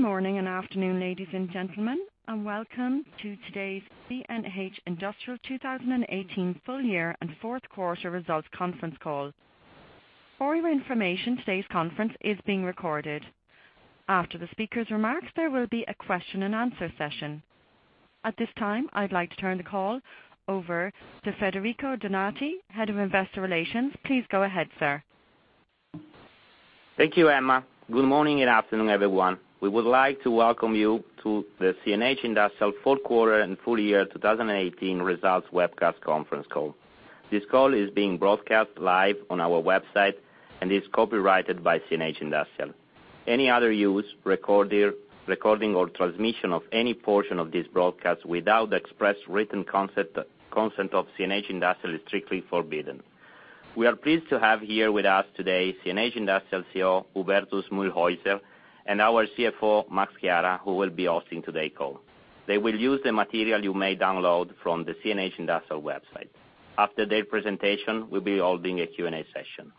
Good morning and afternoon, ladies and gentlemen, welcome to today's CNH Industrial 2018 full year and fourth quarter results conference call. For your information, today's conference is being recorded. After the speakers' remarks, there will be a question and answer session. At this time, I'd like to turn the call over to Federico Donati, Head of Investor Relations. Please go ahead, sir. Thank you, Emma. Good morning and afternoon, everyone. We would like to welcome you to the CNH Industrial fourth quarter and full year 2018 results webcast conference call. This call is being broadcast live on our website and is copyrighted by CNH Industrial. Any other use, recording, or transmission of any portion of this broadcast without the express written consent of CNH Industrial is strictly forbidden. We are pleased to have here with us today CNH Industrial CEO, Hubertus Mühlhäuser, and our CFO, Max Chiara, who will be hosting today's call. They will use the material you may download from the CNH Industrial website. After their presentation, we'll be holding a Q&A session.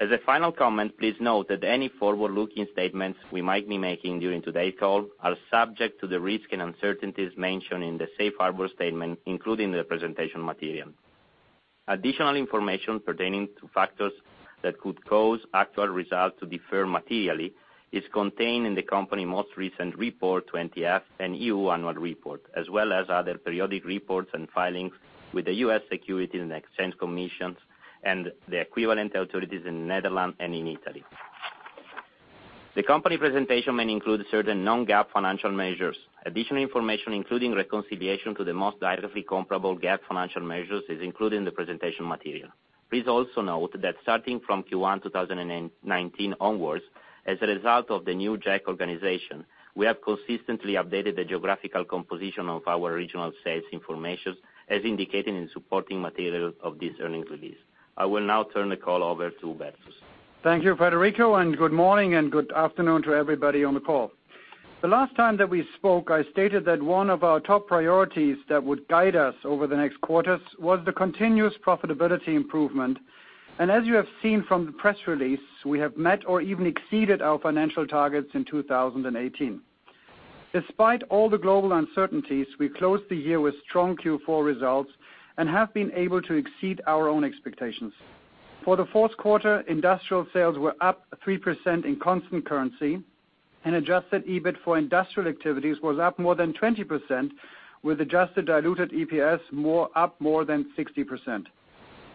As a final comment, please note that any forward-looking statements we might be making during today's call are subject to the risks and uncertainties mentioned in the safe harbor statement, including the presentation material. Additional information pertaining to factors that could cause actual results to differ materially is contained in the company's most recent Report 20F and EU Annual Report, as well as other periodic reports and filings with the U.S. Securities and Exchange Commission and the equivalent authorities in Netherlands and in Italy. The company presentation may include certain non-GAAP financial measures. Additional information, including reconciliation to the most directly comparable GAAP financial measures, is included in the presentation material. Please also note that starting from Q1 2019 onwards, as a result of the new GEC organization, we have consistently updated the geographical composition of our regional sales information as indicated in supporting material of this earnings release. I will now turn the call over to Hubertus. Thank you, Federico, good morning and good afternoon to everybody on the call. The last time that we spoke, I stated that one of our top priorities that would guide us over the next quarters was the continuous profitability improvement. As you have seen from the press release, we have met or even exceeded our financial targets in 2018. Despite all the global uncertainties, we closed the year with strong Q4 results and have been able to exceed our own expectations. For the fourth quarter, industrial sales were up 3% in constant currency, adjusted EBIT for industrial activities was up more than 20%, with adjusted diluted EPS up more than 60%.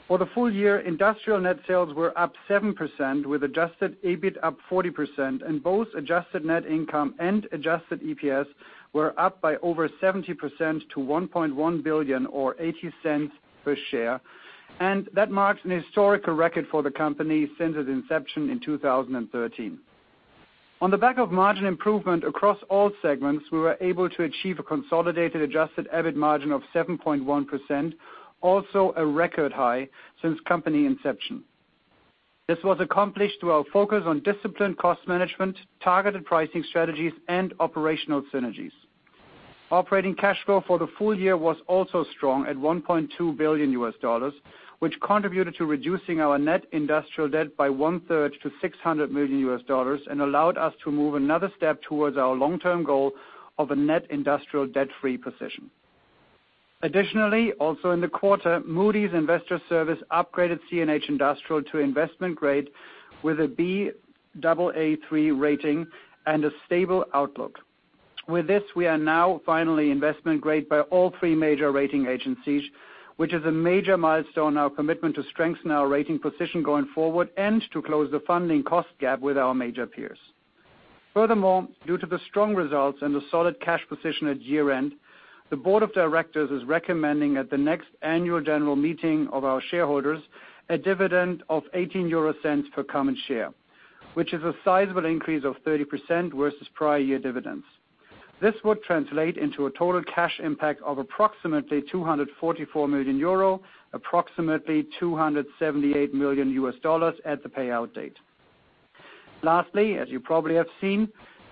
For the full year, industrial net sales were up 7%, with adjusted EBIT up 40%, and both adjusted net income and adjusted EPS were up by over 70% to $1.1 billion, or $0.80 per share. That marks a historical record for the company since its inception in 2013. On the back of margin improvement across all segments, we were able to achieve a consolidated adjusted EBIT margin of 7.1%, also a record high since company inception. This was accomplished through our focus on disciplined cost management, targeted pricing strategies, and operational synergies. Operating cash flow for the full year was also strong at $1.2 billion, which contributed to reducing our net industrial debt by one-third to $600 million and allowed us to move another step towards our long-term goal of a net industrial debt-free position. Additionally, also in the quarter, Moody's Investors Service upgraded CNH Industrial to investment grade with a Baa3 rating and a stable outlook. With this, we are now finally investment grade by all three major rating agencies, which is a major milestone in our commitment to strengthen our rating position going forward and to close the funding cost gap with our major peers. Furthermore, due to the strong results and the solid cash position at year-end, the board of directors is recommending at the next annual general meeting of our shareholders a dividend of 0.18 per common share, which is a sizable increase of 30% versus prior year dividends. This would translate into a total cash impact of approximately 244 million euro, approximately $278 million at the payout date. Lastly, as you probably have seen,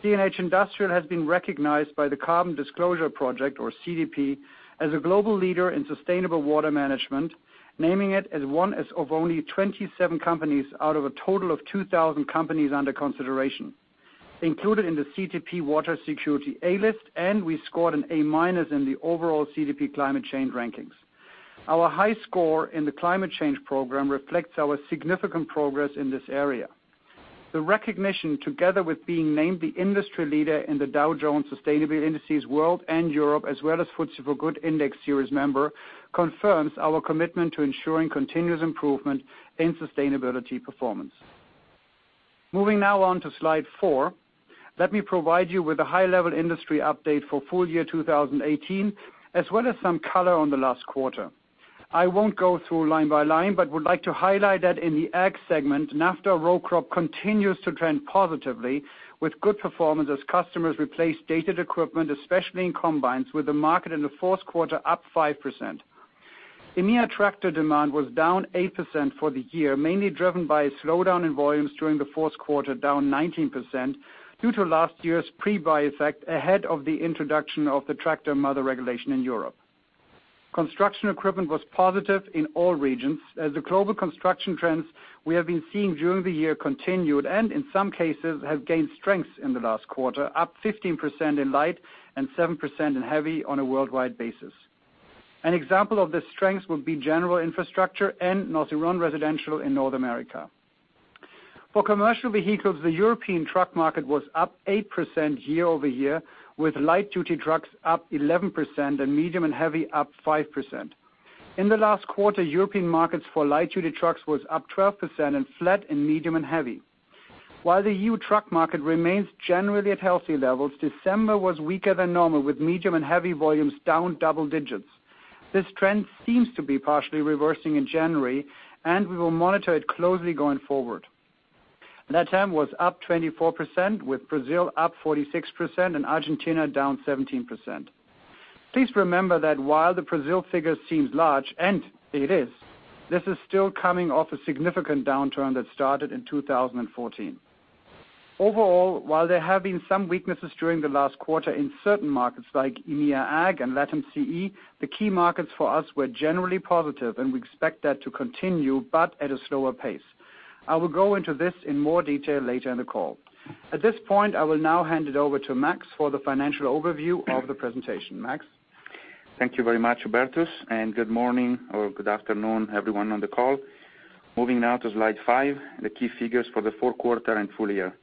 CNH Industrial has been recognized by the Carbon Disclosure Project, or CDP, as a global leader in sustainable water management, naming it as one of only 27 companies out of a total of 2,000 companies under consideration included in the CDP Water Security A-List, and we scored an A- in the overall CDP Climate Change rankings. Our high score in the climate change program reflects our significant progress in this area. The recognition, together with being named the industry leader in the Dow Jones Sustainability Indices World and Europe, as well as FTSE4Good Index Series member, confirms our commitment to ensuring continuous improvement in sustainability performance. Moving now on to slide four. Let me provide you with a high-level industry update for full year 2018, as well as some color on the last quarter. I won't go through line by line, would like to highlight that in the Ag segment, NAFTA row crop continues to trend positively with good performance as customers replace dated equipment, especially in combines, with the market in the fourth quarter up 5%. EMEA tractor demand was down 8% for the year, mainly driven by a slowdown in volumes during the fourth quarter, down 19%, due to last year's pre-buy effect ahead of the introduction of the Tractor Mother Regulation in Europe. Construction equipment was positive in all regions. As the global construction trends we have been seeing during the year continued, and in some cases, have gained strength in the last quarter, up 15% in light and 7% in heavy on a worldwide basis. An example of this strength would be general infrastructure and non-residential in North America. For commercial vehicles, the European truck market was up 8% year-over-year, with light duty trucks up 11% and medium and heavy up 5%. In the last quarter, European markets for light duty trucks was up 12% and flat in medium and heavy. While the EU truck market remains generally at healthy levels, December was weaker than normal, with medium and heavy volumes down double digits. This trend seems to be partially reversing in January, and we will monitor it closely going forward. LATAM was up 24%, with Brazil up 46% and Argentina down 17%. Please remember that while the Brazil figure seems large, and it is, this is still coming off a significant downturn that started in 2014. While there have been some weaknesses during the last quarter in certain markets like EMEA AG and LATAM CE, the key markets for us were generally positive and we expect that to continue, but at a slower pace. I will go into this in more detail later in the call. At this point, I will now hand it over to Max for the financial overview of the presentation. Max? Thank you very much, Bertus, and good morning or good afternoon, everyone on the call. Moving now to slide five, the key figures for the fourth quarter and full year.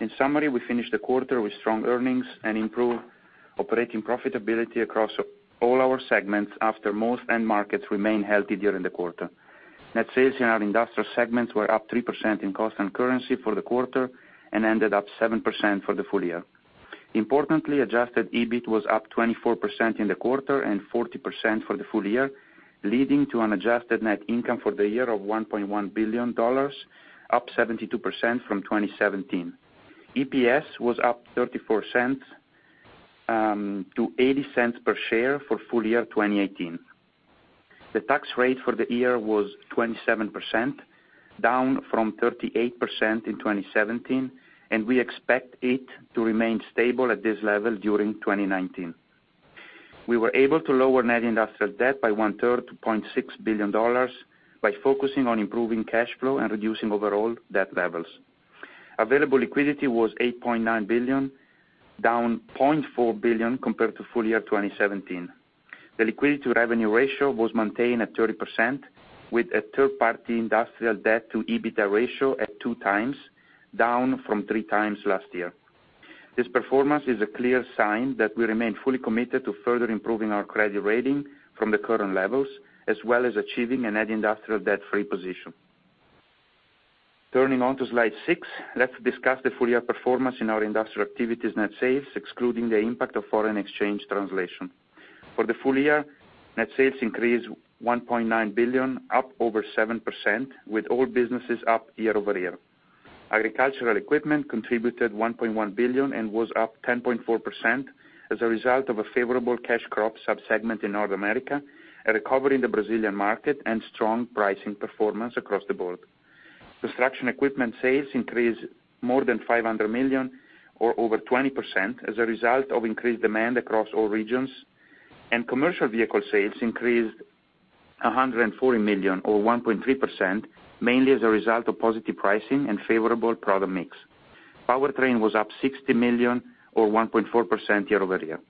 In summary, we finished the quarter with strong earnings and improved operating profitability across all our segments after most end markets remained healthy during the quarter. Net sales in our industrial segments were up 3% in cost and currency for the quarter and ended up 7% for the full year. Importantly, adjusted EBIT was up 24% in the quarter and 40% for the full year, leading to an adjusted net income for the year of $1.1 billion, up 72% from 2017. EPS was up $0.34 to $0.80 per share for full year 2018. The tax rate for the year was 27%, down from 38% in 2017. We expect it to remain stable at this level during 2019. We were able to lower net industrial debt by 1/3 to $0.6 billion by focusing on improving cash flow and reducing overall debt levels. Available liquidity was $8.9 billion, down $0.4 billion compared to full year 2017. The liquidity to revenue ratio was maintained at 30%, with a third-party industrial debt to EBITDA ratio at two times, down from three times last year. This performance is a clear sign that we remain fully committed to further improving our credit rating from the current levels, as well as achieving a net industrial debt-free position. Turning on to slide six, let's discuss the full-year performance in our industrial activities net sales, excluding the impact of foreign exchange translation. For the full year, net sales increased $1.9 billion, up over 7%, with all businesses up year-over-year. Agricultural equipment contributed $1.1 billion and was up 10.4% as a result of a favorable cash crop sub-segment in North America, a recovery in the Brazilian market and strong pricing performance across the board. Construction equipment sales increased more than $500 million or over 20% as a result of increased demand across all regions. Commercial Vehicle Sales increased $140 million or 1.3%, mainly as a result of positive pricing and favorable product mix. FPT Industrial was up $60 million or 1.4% year-over-year.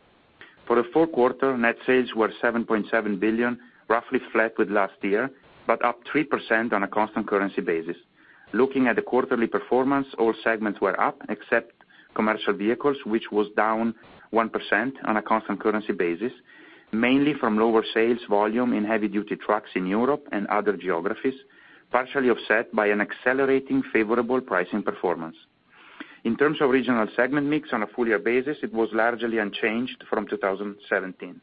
For the fourth quarter, net sales were $7.7 billion, roughly flat with last year, but up 3% on a constant currency basis. Looking at the quarterly performance, all segments were up except Commercial Vehicles, which was down 1% on a constant currency basis, mainly from lower sales volume in heavy duty trucks in Europe and other geographies, partially offset by an accelerating favorable pricing performance. In terms of regional segment mix on a full year basis, it was largely unchanged from 2017.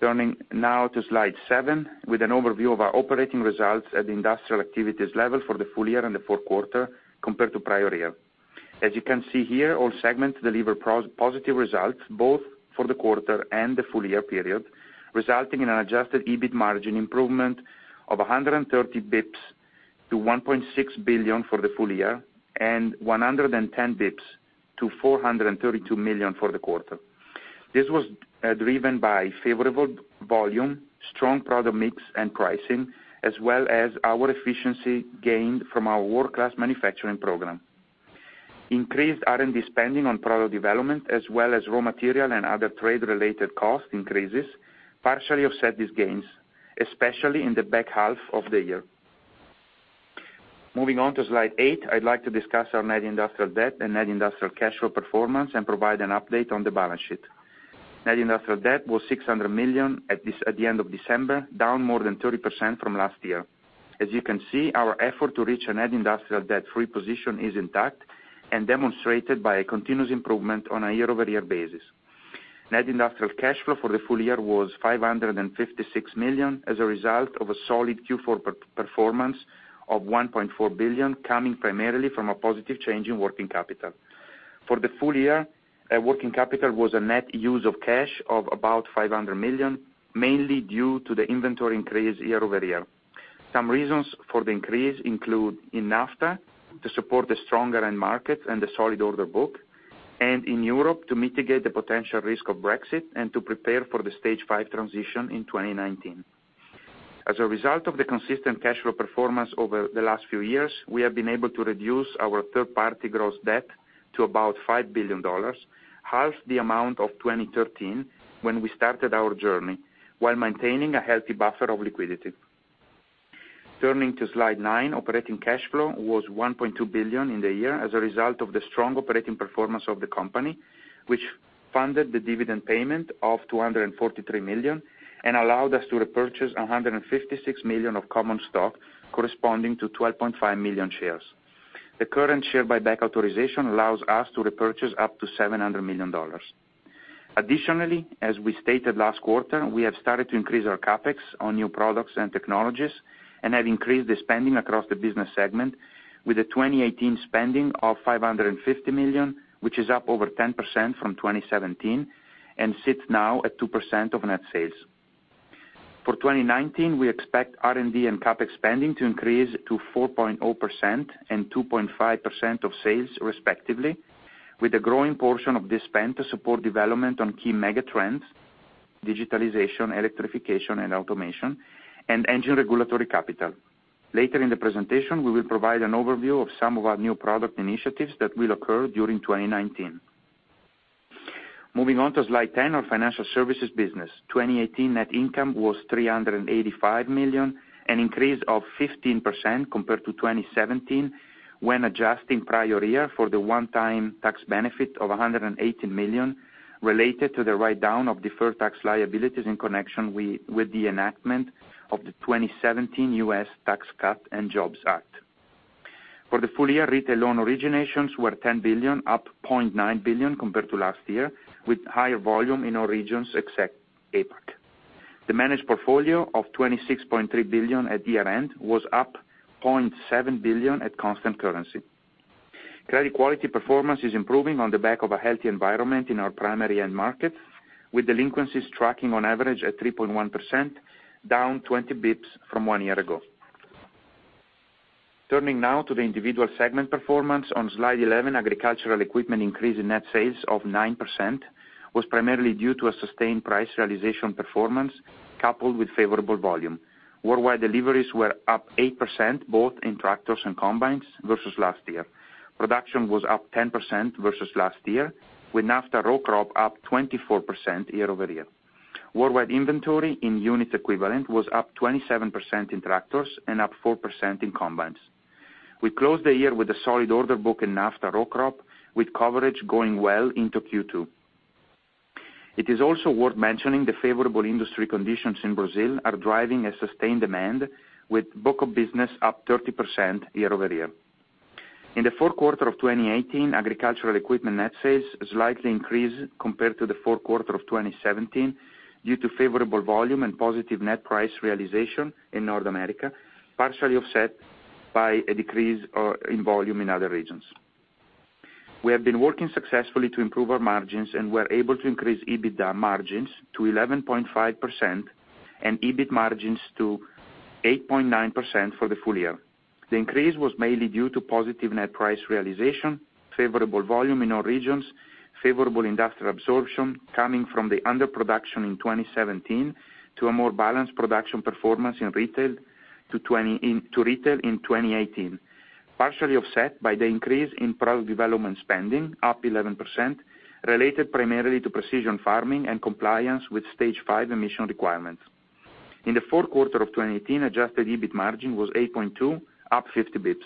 Turning now to slide seven with an overview of our operating results at the industrial activities level for the full year and the fourth quarter compared to prior year. As you can see here, all segments deliver positive results both for the quarter and the full year period, resulting in an adjusted EBIT margin improvement of 130 basis points to $1.6 billion for the full year and 110 basis points to $432 million for the quarter. This was driven by favorable volume, strong product mix and pricing, as well as our efficiency gained from our World Class Manufacturing program. Increased R&D spending on product development as well as raw material and other trade-related cost increases partially offset these gains, especially in the back half of the year. Moving on to slide eight, I'd like to discuss our net industrial debt and net industrial cash flow performance and provide an update on the balance sheet. Net industrial debt was $600 million at the end of December, down more than 30% from last year. As you can see, our effort to reach a net industrial debt free position is intact and demonstrated by a continuous improvement on a year-over-year basis. Net industrial cash flow for the full year was $556 million as a result of a solid Q4 performance of $1.4 billion coming primarily from a positive change in working capital. For the full year, working capital was a net use of cash of about $500 million, mainly due to the inventory increase year-over-year. Some reasons for the increase include in NAFTA to support the stronger end market and the solid order book, and in Europe to mitigate the potential risk of Brexit and to prepare for the Stage V transition in 2019. As a result of the consistent cash flow performance over the last few years, we have been able to reduce our third-party gross debt to about $5 billion, half the amount of 2013 when we started our journey, while maintaining a healthy buffer of liquidity. Turning to slide nine, operating cash flow was $1.2 billion in the year as a result of the strong operating performance of the company, which funded the dividend payment of $243 million and allowed us to repurchase 156 million of common stock, corresponding to 12.5 million shares. The current share buyback authorization allows us to repurchase up to $700 million. Additionally, as we stated last quarter, we have started to increase our CapEx on new products and technologies and have increased the spending across the business segment with a 2018 spending of $550 million, which is up over 10% from 2017 and sits now at 2% of net sales. For 2019, we expect R&D and CapEx spending to increase to 4.0% and 2.5% of sales respectively, with a growing portion of this spend to support development on key mega trends, digitalization, electrification, and automation, and engine regulatory capital. Later in the presentation, we will provide an overview of some of our new product initiatives that will occur during 2019. Moving on to slide 10, our financial services business. 2018 net income was $385 million, an increase of 15% compared to 2017 when adjusting prior year for the one-time tax benefit of $118 million related to the write-down of deferred tax liabilities in connection with the enactment of the 2017 U.S. Tax Cuts and Jobs Act. For the full year, retail loan originations were $10 billion, up $0.9 billion compared to last year, with higher volume in all regions except APAC. The managed portfolio of $26.3 billion at year-end was up $0.7 billion at constant currency. Credit quality performance is improving on the back of a healthy environment in our primary end markets, with delinquencies tracking on average at 3.1%, down 20 basis points from one year ago. Turning now to the individual segment performance on Slide 11. Agricultural equipment increase in net sales of 9% was primarily due to a sustained price realization performance coupled with favorable volume. Worldwide deliveries were up 8% both in tractors and combines versus last year. Production was up 10% versus last year with NAFTA row crop up 24% year-over-year. Worldwide inventory in units equivalent was up 27% in tractors and up 4% in combines. We closed the year with a solid order book in NAFTA row crop with coverage going well into Q2. It is also worth mentioning the favorable industry conditions in Brazil are driving a sustained demand with book of business up 30% year-over-year. In the fourth quarter of 2018, agricultural equipment net sales slightly increased compared to the fourth quarter of 2017 due to favorable volume and positive net price realization in North America, partially offset by a decrease in volume in other regions. We have been working successfully to improve our margins, and we are able to increase EBITDA margins to 11.5% and EBIT margins to 8.9% for the full year. The increase was mainly due to positive net price realization, favorable volume in all regions, favorable industrial absorption coming from the underproduction in 2017 to a more balanced production performance to retail in 2018, partially offset by the increase in product development spending up 11%, related primarily to precision farming and compliance with Stage 5 emission requirements. In the fourth quarter of 2018, adjusted EBIT margin was 8.2%, up 50 basis points.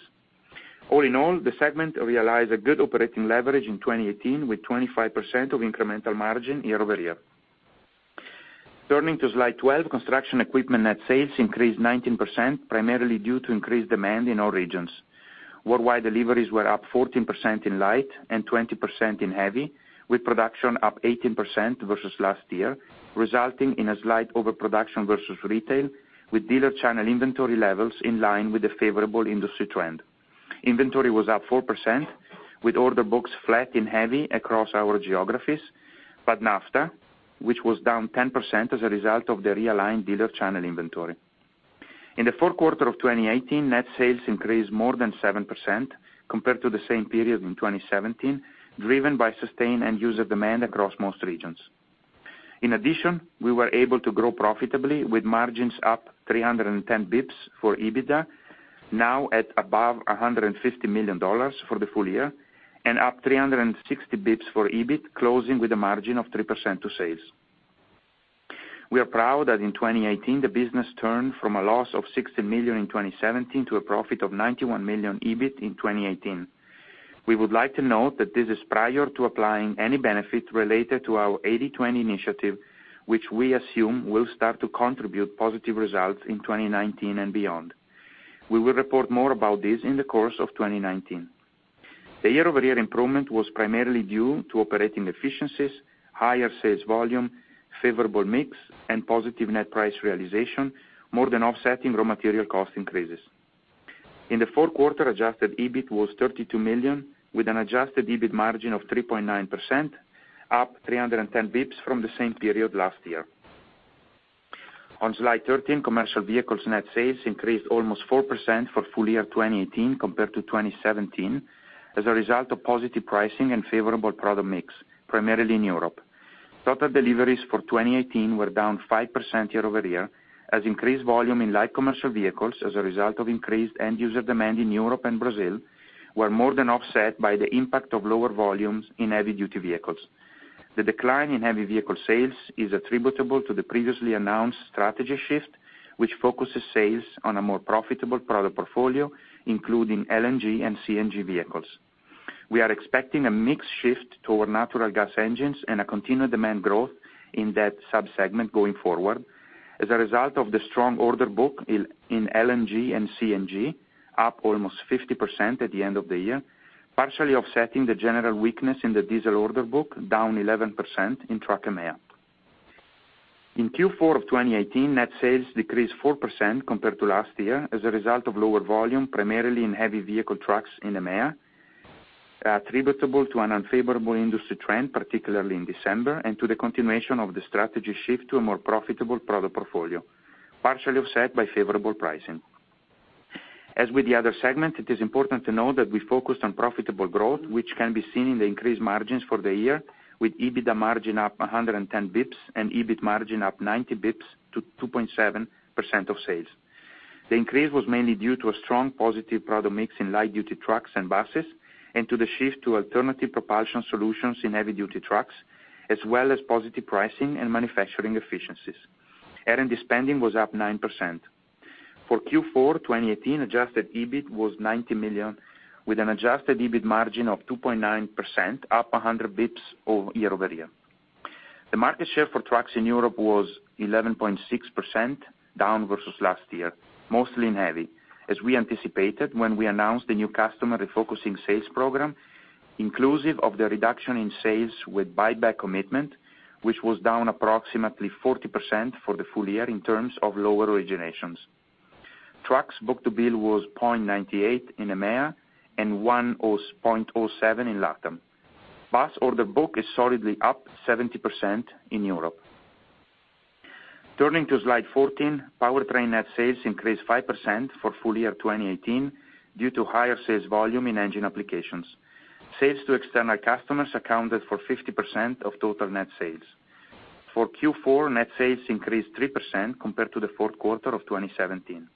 All in all, the segment realized a good operating leverage in 2018 with 25% of incremental margin year-over-year. Turning to slide 12, construction equipment net sales increased 19%, primarily due to increased demand in all regions. Worldwide deliveries were up 14% in light and 20% in heavy, with production up 18% versus last year, resulting in a slight overproduction versus retail with dealer channel inventory levels in line with the favorable industry trend. Inventory was up 4%, with order books flat and heavy across our geographies, but NAFTA, which was down 10% as a result of the realigned dealer channel inventory. In the fourth quarter of 2018, net sales increased more than 7% compared to the same period in 2017, driven by sustained end user demand across most regions. In addition, we were able to grow profitably with margins up 310 basis points for EBITDA, now at above $150 million for the full year, and up 360 basis points for EBIT closing with a margin of 3% to sales. We are proud that in 2018 the business turned from a loss of $16 million in 2017 to a profit of $91 million EBIT in 2018. We would like to note that this is prior to applying any benefit related to our 80-20 initiative, which we assume will start to contribute positive results in 2019 and beyond. We will report more about this in the course of 2019. The year-over-year improvement was primarily due to operating efficiencies, higher sales volume, favorable mix, and positive net price realization, more than offsetting raw material cost increases. In the fourth quarter, adjusted EBIT was $32 million with an adjusted EBIT margin of 3.9%, up 310 basis points from the same period last year. On slide 13, commercial vehicles net sales increased almost 4% for full year 2018 compared to 2017, as a result of positive pricing and favorable product mix, primarily in Europe. Total deliveries for 2018 were down 5% year-over-year, as increased volume in light commercial vehicles as a result of increased end-user demand in Europe and Brazil were more than offset by the impact of lower volumes in heavy-duty vehicles. The decline in heavy vehicle sales is attributable to the previously announced strategy shift, which focuses sales on a more profitable product portfolio, including LNG and CNG vehicles. We are expecting a mix shift toward natural gas engines and a continued demand growth in that sub-segment going forward. As a result of the strong order book in LNG and CNG, up almost 50% at the end of the year, partially offsetting the general weakness in the diesel order book, down 11% in truck EMEA. In Q4 of 2018, net sales decreased 4% compared to last year as a result of lower volume, primarily in heavy vehicle trucks in EMEA, attributable to an unfavorable industry trend, particularly in December, and to the continuation of the strategy shift to a more profitable product portfolio, partially offset by favorable pricing. As with the other segment, it is important to know that we focused on profitable growth, which can be seen in the increased margins for the year with EBITDA margin up 110 basis points and EBIT margin up 90 basis points to 2.7% of sales. The increase was mainly due to a strong positive product mix in light-duty trucks and buses, and to the shift to alternative propulsion solutions in heavy-duty trucks, as well as positive pricing and manufacturing efficiencies. R&D spending was up 9%. For Q4 2018, adjusted EBIT was $90 million, with an adjusted EBIT margin of 2.9%, up 100 basis points year-over-year. The market share for trucks in Europe was 11.6%, down versus last year, mostly in heavy, as we anticipated when we announced the new customer refocusing sales program, inclusive of the reduction in sales with buyback commitment, which was down approximately 40% for the full year in terms of lower originations. Trucks book-to-bill was 0.98 in EMEA and 1.07 in LATAM. Bus order book is solidly up 70% in Europe. Turning to slide 14, powertrain net sales increased 5% for full year 2018 due to higher sales volume in engine applications. Sales to external customers accounted for 50% of total net sales. For Q4, net sales increased 3% compared to the fourth quarter of 2017.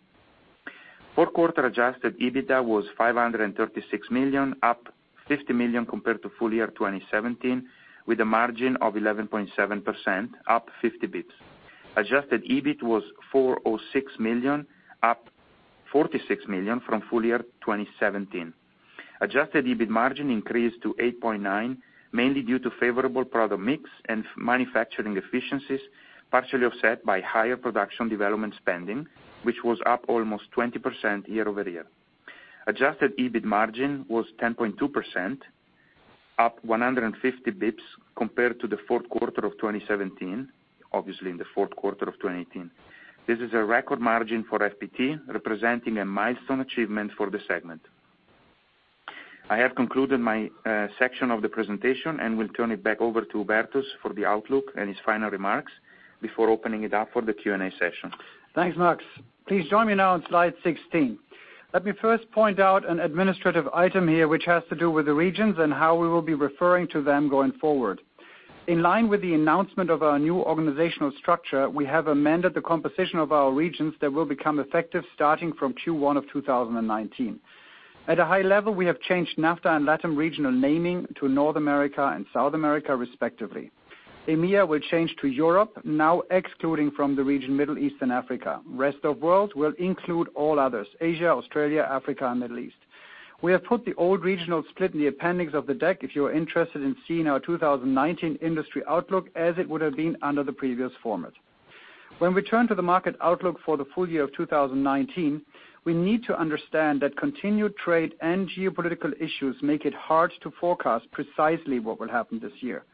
Fourth quarter adjusted EBITDA was $536 million, up $50 million compared to full year 2017, with a margin of 11.7%, up 50 basis points. Adjusted EBIT was $406 million, up $46 million from full year 2017. Adjusted EBIT margin increased to 8.9%, mainly due to favorable product mix and manufacturing efficiencies, partially offset by higher production development spending, which was up almost 20% year-over-year. Adjusted EBIT margin was 10.2%, up 150 basis points compared to the fourth quarter of 2017, obviously in the fourth quarter of 2018. This is a record margin for FPT, representing a milestone achievement for the segment. I have concluded my section of the presentation and will turn it back over to Hubertus for the outlook and his final remarks before opening it up for the Q&A session. Thanks, Max. Please join me now on slide 16. Let me first point out an administrative item here, which has to do with the regions and how we will be referring to them going forward. In line with the announcement of our new organizational structure, we have amended the composition of our regions that will become effective starting from Q1 of 2019. At a high level, we have changed NAFTA and LATAM regional naming to North America and South America respectively. EMEA will change to Europe, now excluding from the region Middle East and Africa. Rest of World will include all others, Asia, Australia, Africa, and Middle East. We have put the old regional split in the appendix of the deck if you are interested in seeing our 2019 industry outlook as it would have been under the previous format. When we turn to the market outlook for the full year of 2019, we need to understand that continued trade and geopolitical issues make it hard to forecast precisely what will happen this year.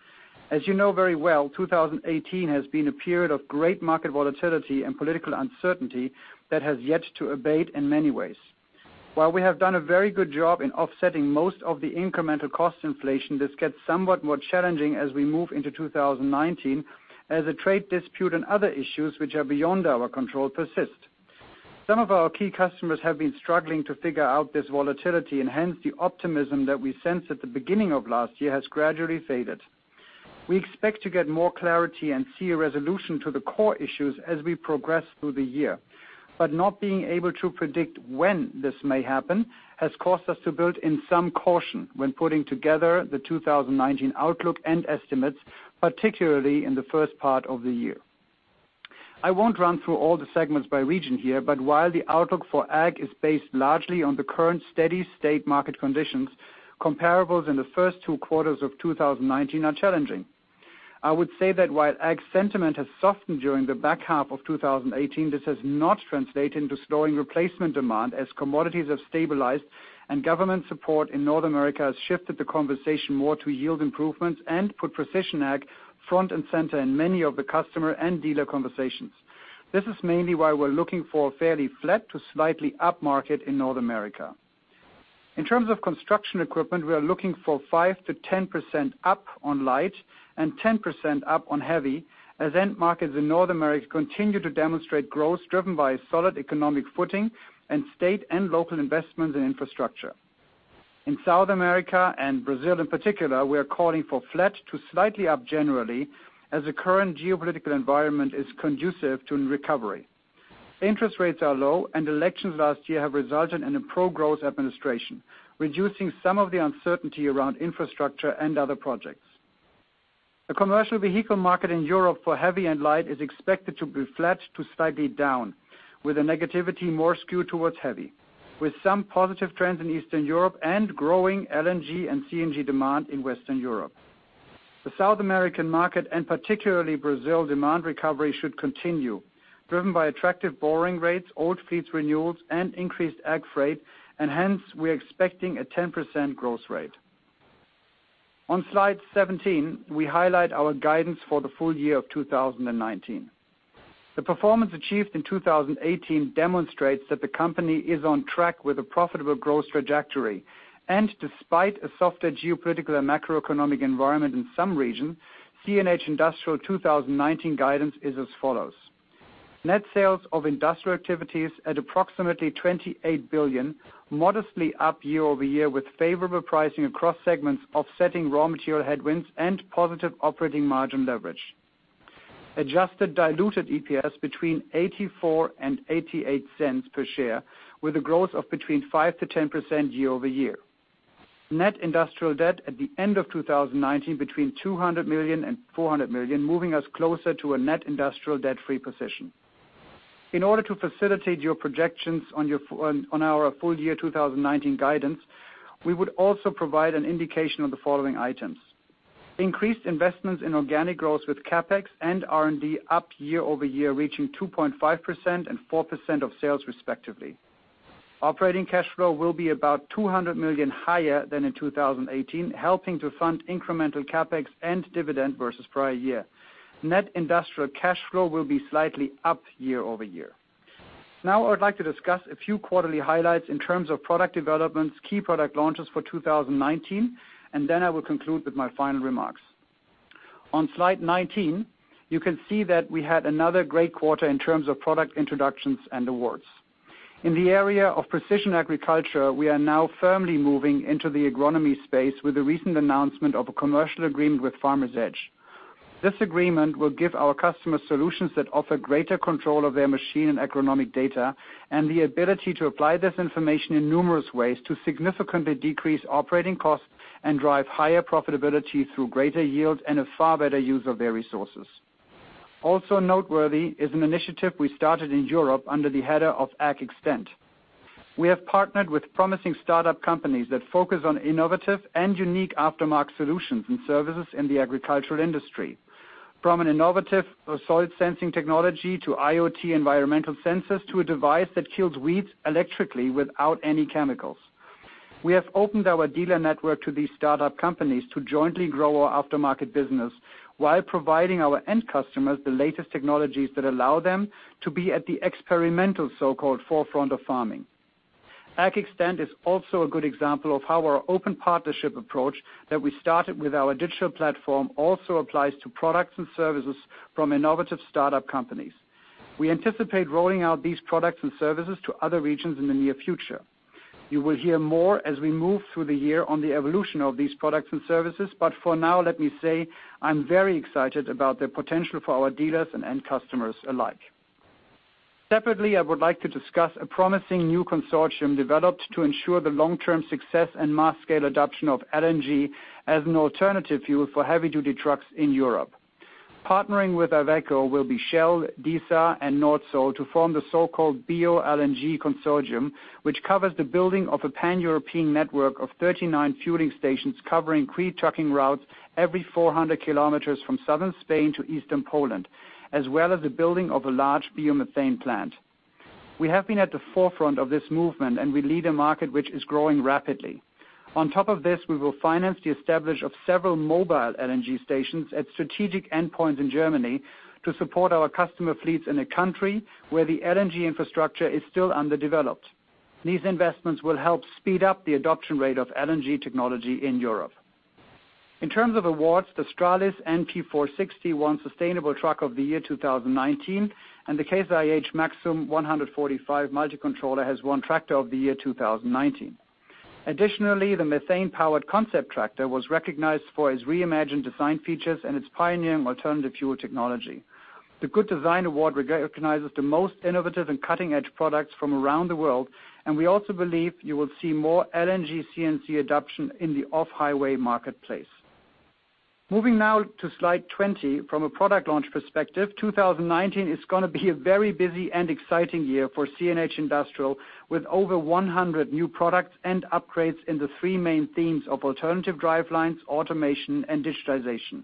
As you know very well, 2018 has been a period of great market volatility and political uncertainty that has yet to abate in many ways. While we have done a very good job in offsetting most of the incremental cost inflation, this gets somewhat more challenging as we move into 2019 as a trade dispute and other issues which are beyond our control persist. Some of our key customers have been struggling to figure out this volatility, and hence the optimism that we sensed at the beginning of last year has gradually faded. We expect to get more clarity and see a resolution to the core issues as we progress through the year. Not being able to predict when this may happen has caused us to build in some caution when putting together the 2019 outlook and estimates, particularly in the first part of the year. I won't run through all the segments by region here, but while the outlook for ag is based largely on the current steady state market conditions, comparables in the first two quarters of 2019 are challenging. I would say that while ag sentiment has softened during the back half of 2018, this has not translated into slowing replacement demand as commodities have stabilized and government support in North America has shifted the conversation more to yield improvements and put precision ag front and center in many of the customer and dealer conversations. This is mainly why we're looking for a fairly flat to slightly upmarket in North America. In terms of construction equipment, we are looking for 5%-10% up on light and 10% up on heavy as end markets in North America continue to demonstrate growth driven by solid economic footing and state and local investments in infrastructure. In South America, and Brazil in particular, we are calling for flat to slightly up generally, as the current geopolitical environment is conducive to recovery. Interest rates are low, and elections last year have resulted in a pro-growth administration, reducing some of the uncertainty around infrastructure and other projects. The commercial vehicle market in Europe for heavy and light is expected to be flat to slightly down, with the negativity more skewed towards heavy, with some positive trends in Eastern Europe and growing LNG and CNG demand in Western Europe. The South American market, and particularly Brazil demand recovery, should continue, driven by attractive borrowing rates, old fleets renewals, and increased ag freight, and hence we're expecting a 10% growth rate. On slide 17, we highlight our guidance for the full year of 2019. The performance achieved in 2018 demonstrates that the company is on track with a profitable growth trajectory. Despite a softer geopolitical and macroeconomic environment in some regions, CNH Industrial 2019 guidance is as follows. Net sales of industrial activities at approximately $28 billion, modestly up year-over-year, with favorable pricing across segments offsetting raw material headwinds and positive operating margin leverage. Adjusted diluted EPS between $0.84 and $0.88 per share, with a growth of between 5%-10% year-over-year. Net industrial debt at the end of 2019 between $200 million and $400 million, moving us closer to a net industrial debt-free position. In order to facilitate your projections on our full year 2019 guidance, we would also provide an indication of the following items. Increased investments in organic growth with CapEx and R&D up year-over-year, reaching 2.5% and 4% of sales respectively. Operating cash flow will be about $200 million higher than in 2018, helping to fund incremental CapEx and dividend versus prior year. Net industrial cash flow will be slightly up year-over-year. I would like to discuss a few quarterly highlights in terms of product developments, key product launches for 2019, and then I will conclude with my final remarks. On slide 19, you can see that we had another great quarter in terms of product introductions and awards. In the area of precision agriculture, we are now firmly moving into the agronomy space with the recent announcement of a commercial agreement with Farmers Edge. This agreement will give our customers solutions that offer greater control of their machine and agronomic data, and the ability to apply this information in numerous ways to significantly decrease operating costs and drive higher profitability through greater yield and a far better use of their resources. Also noteworthy is an initiative we started in Europe under the header of AGXTEND. We have partnered with promising startup companies that focus on innovative and unique aftermarket solutions and services in the agricultural industry, from an innovative soil sensing technology to IoT environmental sensors, to a device that kills weeds electrically without any chemicals. We have opened our dealer network to these startup companies to jointly grow our aftermarket business while providing our end customers the latest technologies that allow them to be at the experimental so-called forefront of farming. AGXTEND is also a good example of how our open partnership approach that we started with our digital platform also applies to products and services from innovative startup companies. We anticipate rolling out these products and services to other regions in the near future. You will hear more as we move through the year on the evolution of these products and services, but for now, let me say, I'm very excited about their potential for our dealers and end customers alike. Separately, I would like to discuss a promising new consortium developed to ensure the long-term success and mass scale adoption of LNG as an alternative fuel for heavy-duty trucks in Europe. Partnering with Iveco will be Shell, DISA, and Nordsol to form the so-called BioLNG EuroNet, which covers the building of a pan-European network of 39 fueling stations covering three trucking routes every 400 km from Southern Spain to Eastern Poland, as well as the building of a large biomethane plant. We have been at the forefront of this movement, and we lead a market which is growing rapidly. On top of this, we will finance the establish of several mobile LNG stations at strategic endpoints in Germany to support our customer fleets in a country where the LNG infrastructure is still underdeveloped. These investments will help speed up the adoption rate of LNG technology in Europe. In terms of awards, the Stralis NP 460 won Sustainable Truck of the Year 2019, and the Case IH Maxxum 145 Multicontroller has won Tractor of the Year 2019. Additionally, the methane-powered concept tractor was recognized for its reimagined design features and its pioneering alternative fuel technology. The Good Design Award recognizes the most innovative and cutting-edge products from around the world, and we also believe you will see more LNG/CNG adoption in the off-highway marketplace. Moving now to slide 20. From a product launch perspective, 2019 is going to be a very busy and exciting year for CNH Industrial with over 100 new products and upgrades in the three main themes of alternative drivelines, automation, and digitization.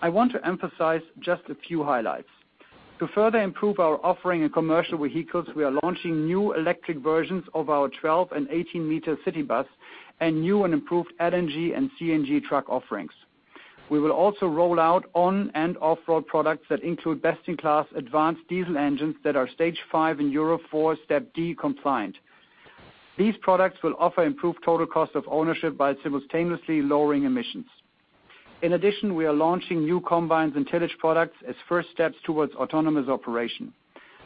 I want to emphasize just a few highlights. To further improve our offering in commercial vehicles, we are launching new electric versions of our 12 m and 18 m city bus and new and improved LNG and CNG truck offerings. We will also roll out on and off-road products that include best-in-class advanced diesel engines that are Stage 5 and Euro VI Step D compliant. These products will offer improved total cost of ownership by simultaneously lowering emissions. In addition, we are launching new combines and tillage products as first steps towards autonomous operation.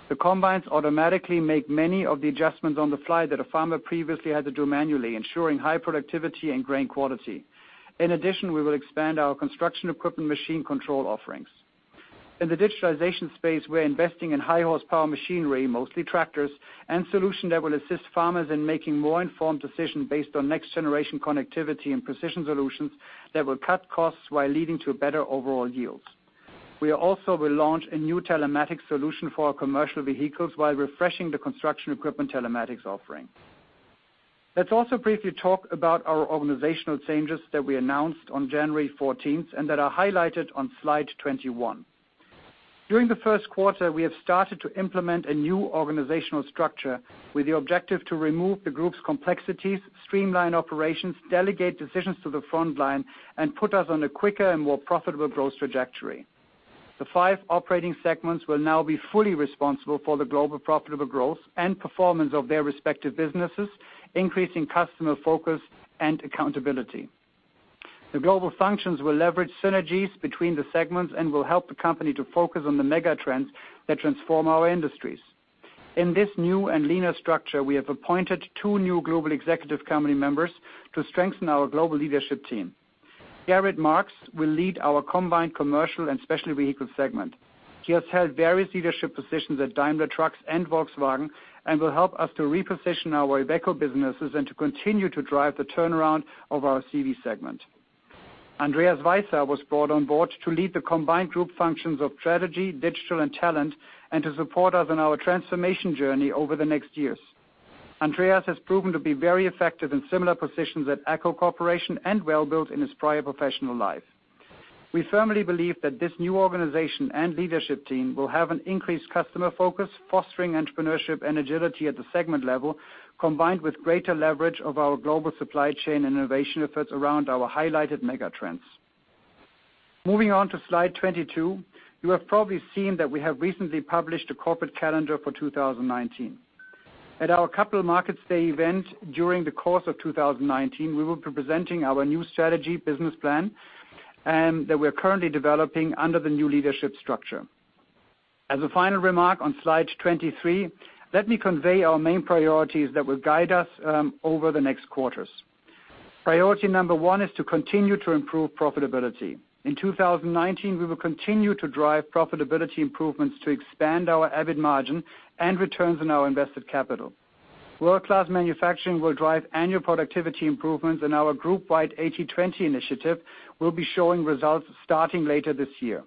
The combines automatically make many of the adjustments on the fly that a farmer previously had to do manually, ensuring high productivity and grain quality. In addition, we will expand our construction equipment machine control offerings. In the digitalization space, we're investing in high horsepower machinery, mostly tractors, and solutions that will assist farmers in making more informed decisions based on next-generation connectivity and precision solutions that will cut costs while leading to better overall yields. We also will launch a new telematics solution for our commercial vehicles while refreshing the construction equipment telematics offering. Let's also briefly talk about our organizational changes that we announced on January 14th and that are highlighted on slide 21. During the first quarter, we have started to implement a new organizational structure with the objective to remove the group's complexities, streamline operations, delegate decisions to the front line, and put us on a quicker and more profitable growth trajectory. The five operating segments will now be fully responsible for the global profitable growth and performance of their respective businesses, increasing customer focus and accountability. The global functions will leverage synergies between the segments and will help the company to focus on the mega trends that transform our industries. In this new and leaner structure, we have appointed two new Global Executive Committee members to strengthen our global leadership team. Gerrit Marx will lead our combined Commercial and Specialty Vehicles segment. He has held various leadership positions at Daimler Truck and Volkswagen and will help us to reposition our Iveco businesses and to continue to drive the turnaround of our CV segment. Andreas Weisser was brought on board to lead the combined group functions of strategy, digital, and talent, and to support us on our transformation journey over the next years. Andreas has proven to be very effective in similar positions at AGCO Corporation and Welbilt in his prior professional life. We firmly believe that this new organization and leadership team will have an increased customer focus, fostering entrepreneurship and agility at the segment level, combined with greater leverage of our global supply chain and innovation efforts around our highlighted mega trends. Moving on to slide 22. You have probably seen that we have recently published a corporate calendar for 2019. At our Capital Markets Day event during the course of 2019, we will be presenting our new strategy business plan that we're currently developing under the new leadership structure. As a final remark on slide 23, let me convey our main priorities that will guide us over the next quarters. Priority number one is to continue to improve profitability. In 2019, we will continue to drive profitability improvements to expand our EBIT margin and returns on our invested capital. World Class Manufacturing will drive annual productivity improvements. Our group-wide 80-20 initiative will be showing results starting later this year.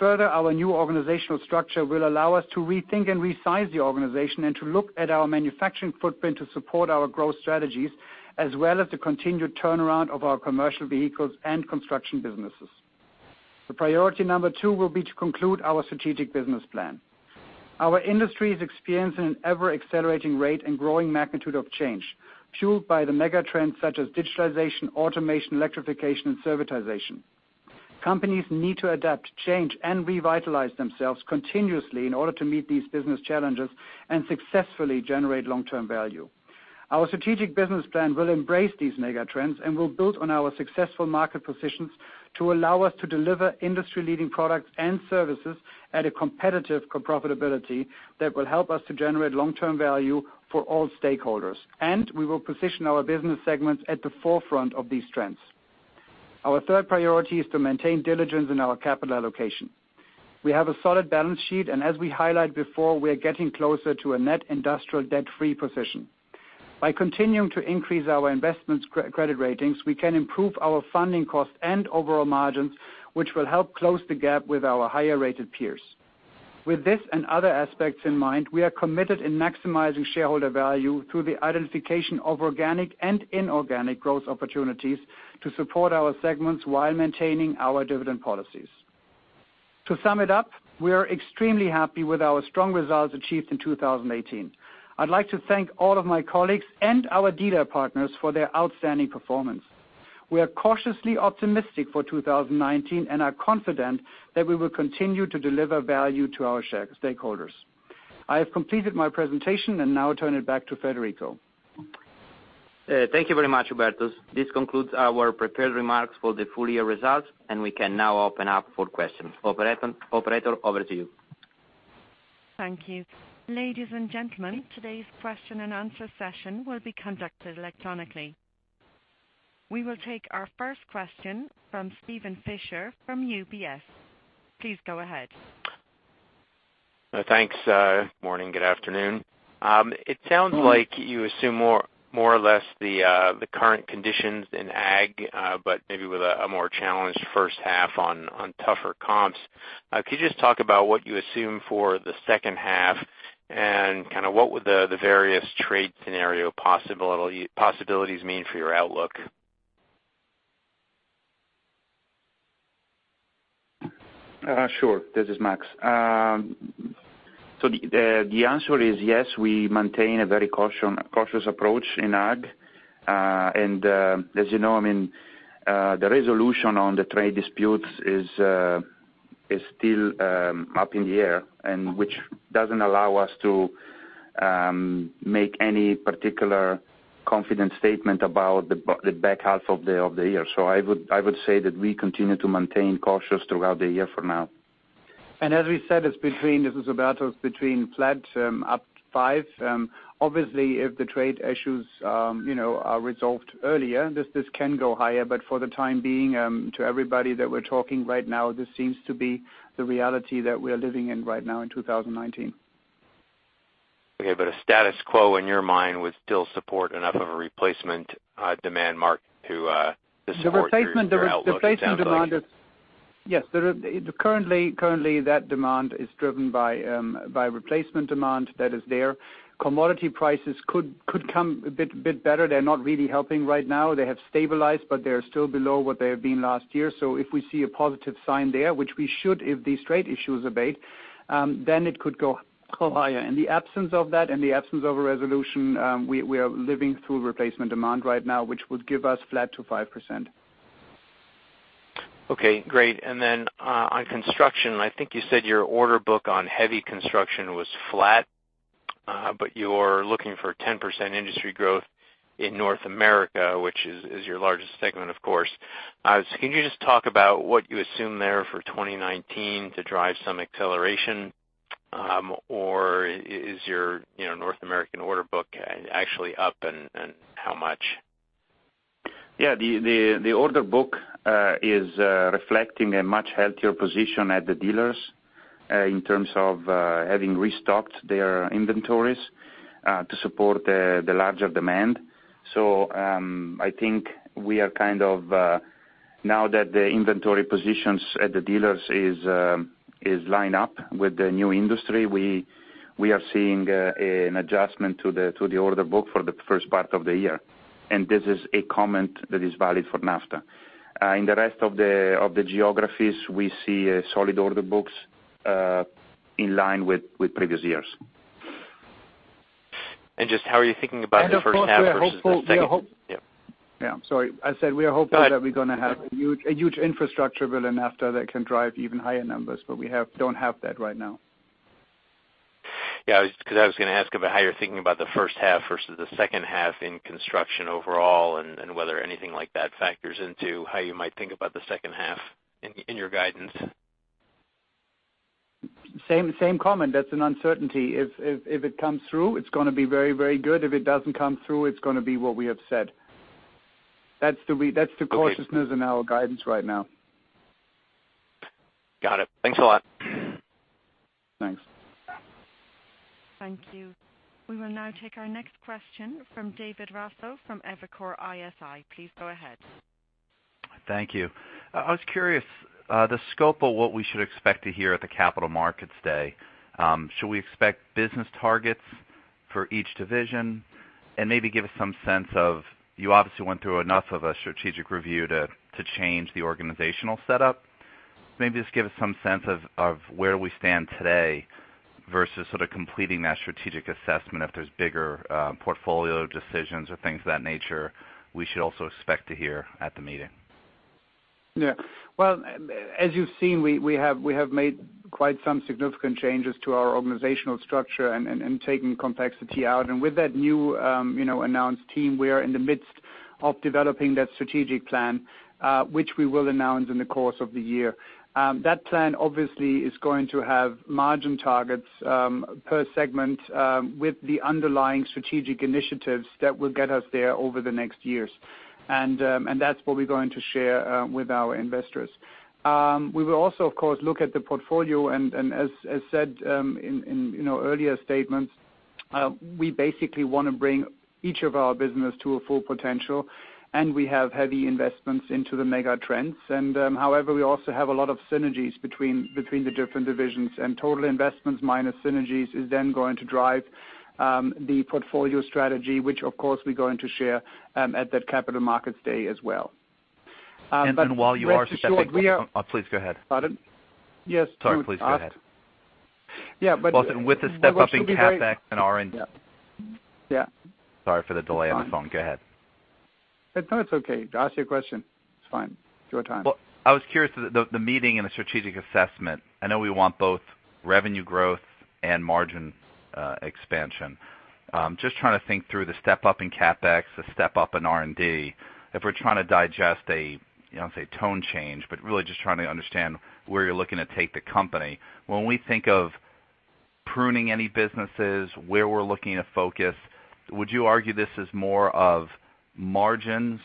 Further, our new organizational structure will allow us to rethink and resize the organization and to look at our manufacturing footprint to support our growth strategies, as well as the continued turnaround of our commercial vehicles and construction businesses. The priority number two will be to conclude our strategic business plan. Our industry is experiencing an ever-accelerating rate and growing magnitude of change, fueled by the mega trends such as digitalization, automation, electrification, and servitization. Companies need to adapt, change, and revitalize themselves continuously in order to meet these business challenges and successfully generate long-term value. Our strategic business plan will embrace these mega trends and will build on our successful market positions to allow us to deliver industry-leading products and services at a competitive profitability that will help us to generate long-term value for all stakeholders. We will position our business segments at the forefront of these trends. Our third priority is to maintain diligence in our capital allocation. We have a solid balance sheet, and as we highlighted before, we are getting closer to a net industrial debt-free position. By continuing to increase our investments credit ratings, we can improve our funding cost and overall margins, which will help close the gap with our higher-rated peers. With this and other aspects in mind, we are committed in maximizing shareholder value through the identification of organic and inorganic growth opportunities to support our segments while maintaining our dividend policies. To sum it up, we are extremely happy with our strong results achieved in 2018. I'd like to thank all of my colleagues and our dealer partners for their outstanding performance. We are cautiously optimistic for 2019 and are confident that we will continue to deliver value to our stakeholders. I have completed my presentation and now turn it back to Federico. Thank you very much, Hubertus. This concludes our prepared remarks for the full-year results. We can now open up for questions. Operator, over to you. Thank you. Ladies and gentlemen, today's question and answer session will be conducted electronically. We will take our first question from Steven Fisher from UBS. Please go ahead. Thanks. Morning, good afternoon. It sounds like you assume more or less the current conditions in ag, but maybe with a more challenged first half on tougher comps. Could you just talk about what you assume for the second half and kind of what would the various trade scenario possibilities mean for your outlook? Sure. This is Max. The answer is yes, we maintain a very cautious approach in ag. As you know, the resolution on the trade disputes is still up in the air, which doesn't allow us to make any particular confident statement about the back half of the year. I would say that we continue to maintain cautious throughout the year for now. As we said, this is Alberto, between flat up five. Obviously, if the trade issues are resolved earlier, this can go higher. For the time being, to everybody that we're talking right now, this seems to be the reality that we are living in right now in 2019. Okay. A status quo in your mind would still support enough of a replacement demand market to support your outlook down the line. Yes. Currently, that demand is driven by replacement demand that is there. Commodity prices could come a bit better. They're not really helping right now. They have stabilized, but they're still below what they have been last year. If we see a positive sign there, which we should, if these trade issues abate, then it could go higher. In the absence of that, in the absence of a resolution, we are living through replacement demand right now, which would give us flat to 5%. Okay, great. Then, on construction, I think you said your order book on heavy construction was flat, but you're looking for 10% industry growth in North America, which is your largest segment, of course. Can you just talk about what you assume there for 2019 to drive some acceleration? Is your North American order book actually up, and how much? The order book is reflecting a much healthier position at the dealers in terms of having restocked their inventories to support the larger demand. I think now that the inventory positions at the dealers is line up with the new industry, we are seeing an adjustment to the order book for the first part of the year. This is a comment that is valid for NAFTA. In the rest of the geographies, we see solid order books in line with previous years. Just how are you thinking about the first half versus the second? I said we are hopeful that we're going to have a huge infrastructure bill in NAFTA that can drive even higher numbers. We don't have that right now. I was going to ask about how you're thinking about the first half versus the second half in construction overall, and whether anything like that factors into how you might think about the second half in your guidance. Same comment. That's an uncertainty. If it comes through, it's going to be very good. If it doesn't come through, it's going to be what we have said. That's the cautiousness in our guidance right now. Got it. Thanks a lot. Thanks. Thank you. We will now take our next question from David Raso from Evercore ISI. Please go ahead. Thank you. I was curious, the scope of what we should expect to hear at the Capital Markets Day. Should we expect business targets for each division? Maybe give us some sense of, you obviously went through enough of a strategic review to change the organizational setup. Maybe just give us some sense of where we stand today versus sort of completing that strategic assessment if there's bigger portfolio decisions or things of that nature we should also expect to hear at the meeting. Well, as you've seen, we have made quite some significant changes to our organizational structure and taking complexity out. With that new announced team, we are in the midst of developing that strategic plan, which we will announce in the course of the year. That plan obviously is going to have margin targets per segment with the underlying strategic initiatives that will get us there over the next years. That's what we're going to share with our investors. We will also, of course, look at the portfolio, and as said in earlier statements, we basically want to bring each of our business to a full potential, and we have heavy investments into the mega trends. However, we also have a lot of synergies between the different divisions. Total investments minus synergies is then going to drive the portfolio strategy, which of course, we're going to share at that Capital Markets Day as well. While you are stepping- Rest assured, we are- Oh, please go ahead. Pardon? Yes. Sorry. Please go ahead. Yeah, but- With the step-up in CapEx and R&D. Yeah. Sorry for the delay on the phone. Go ahead. No, it's okay. Ask your question. It's fine. It's your time. Well, I was curious, the meeting and the strategic assessment, I know we want both revenue growth and margin expansion. Just trying to think through the step-up in CapEx, the step-up in R&D. If we're trying to digest a, I don't want to say tone change, but really just trying to understand where you're looking to take the company. When we think of pruning any businesses, where we're looking to focus, would you argue this is more of margins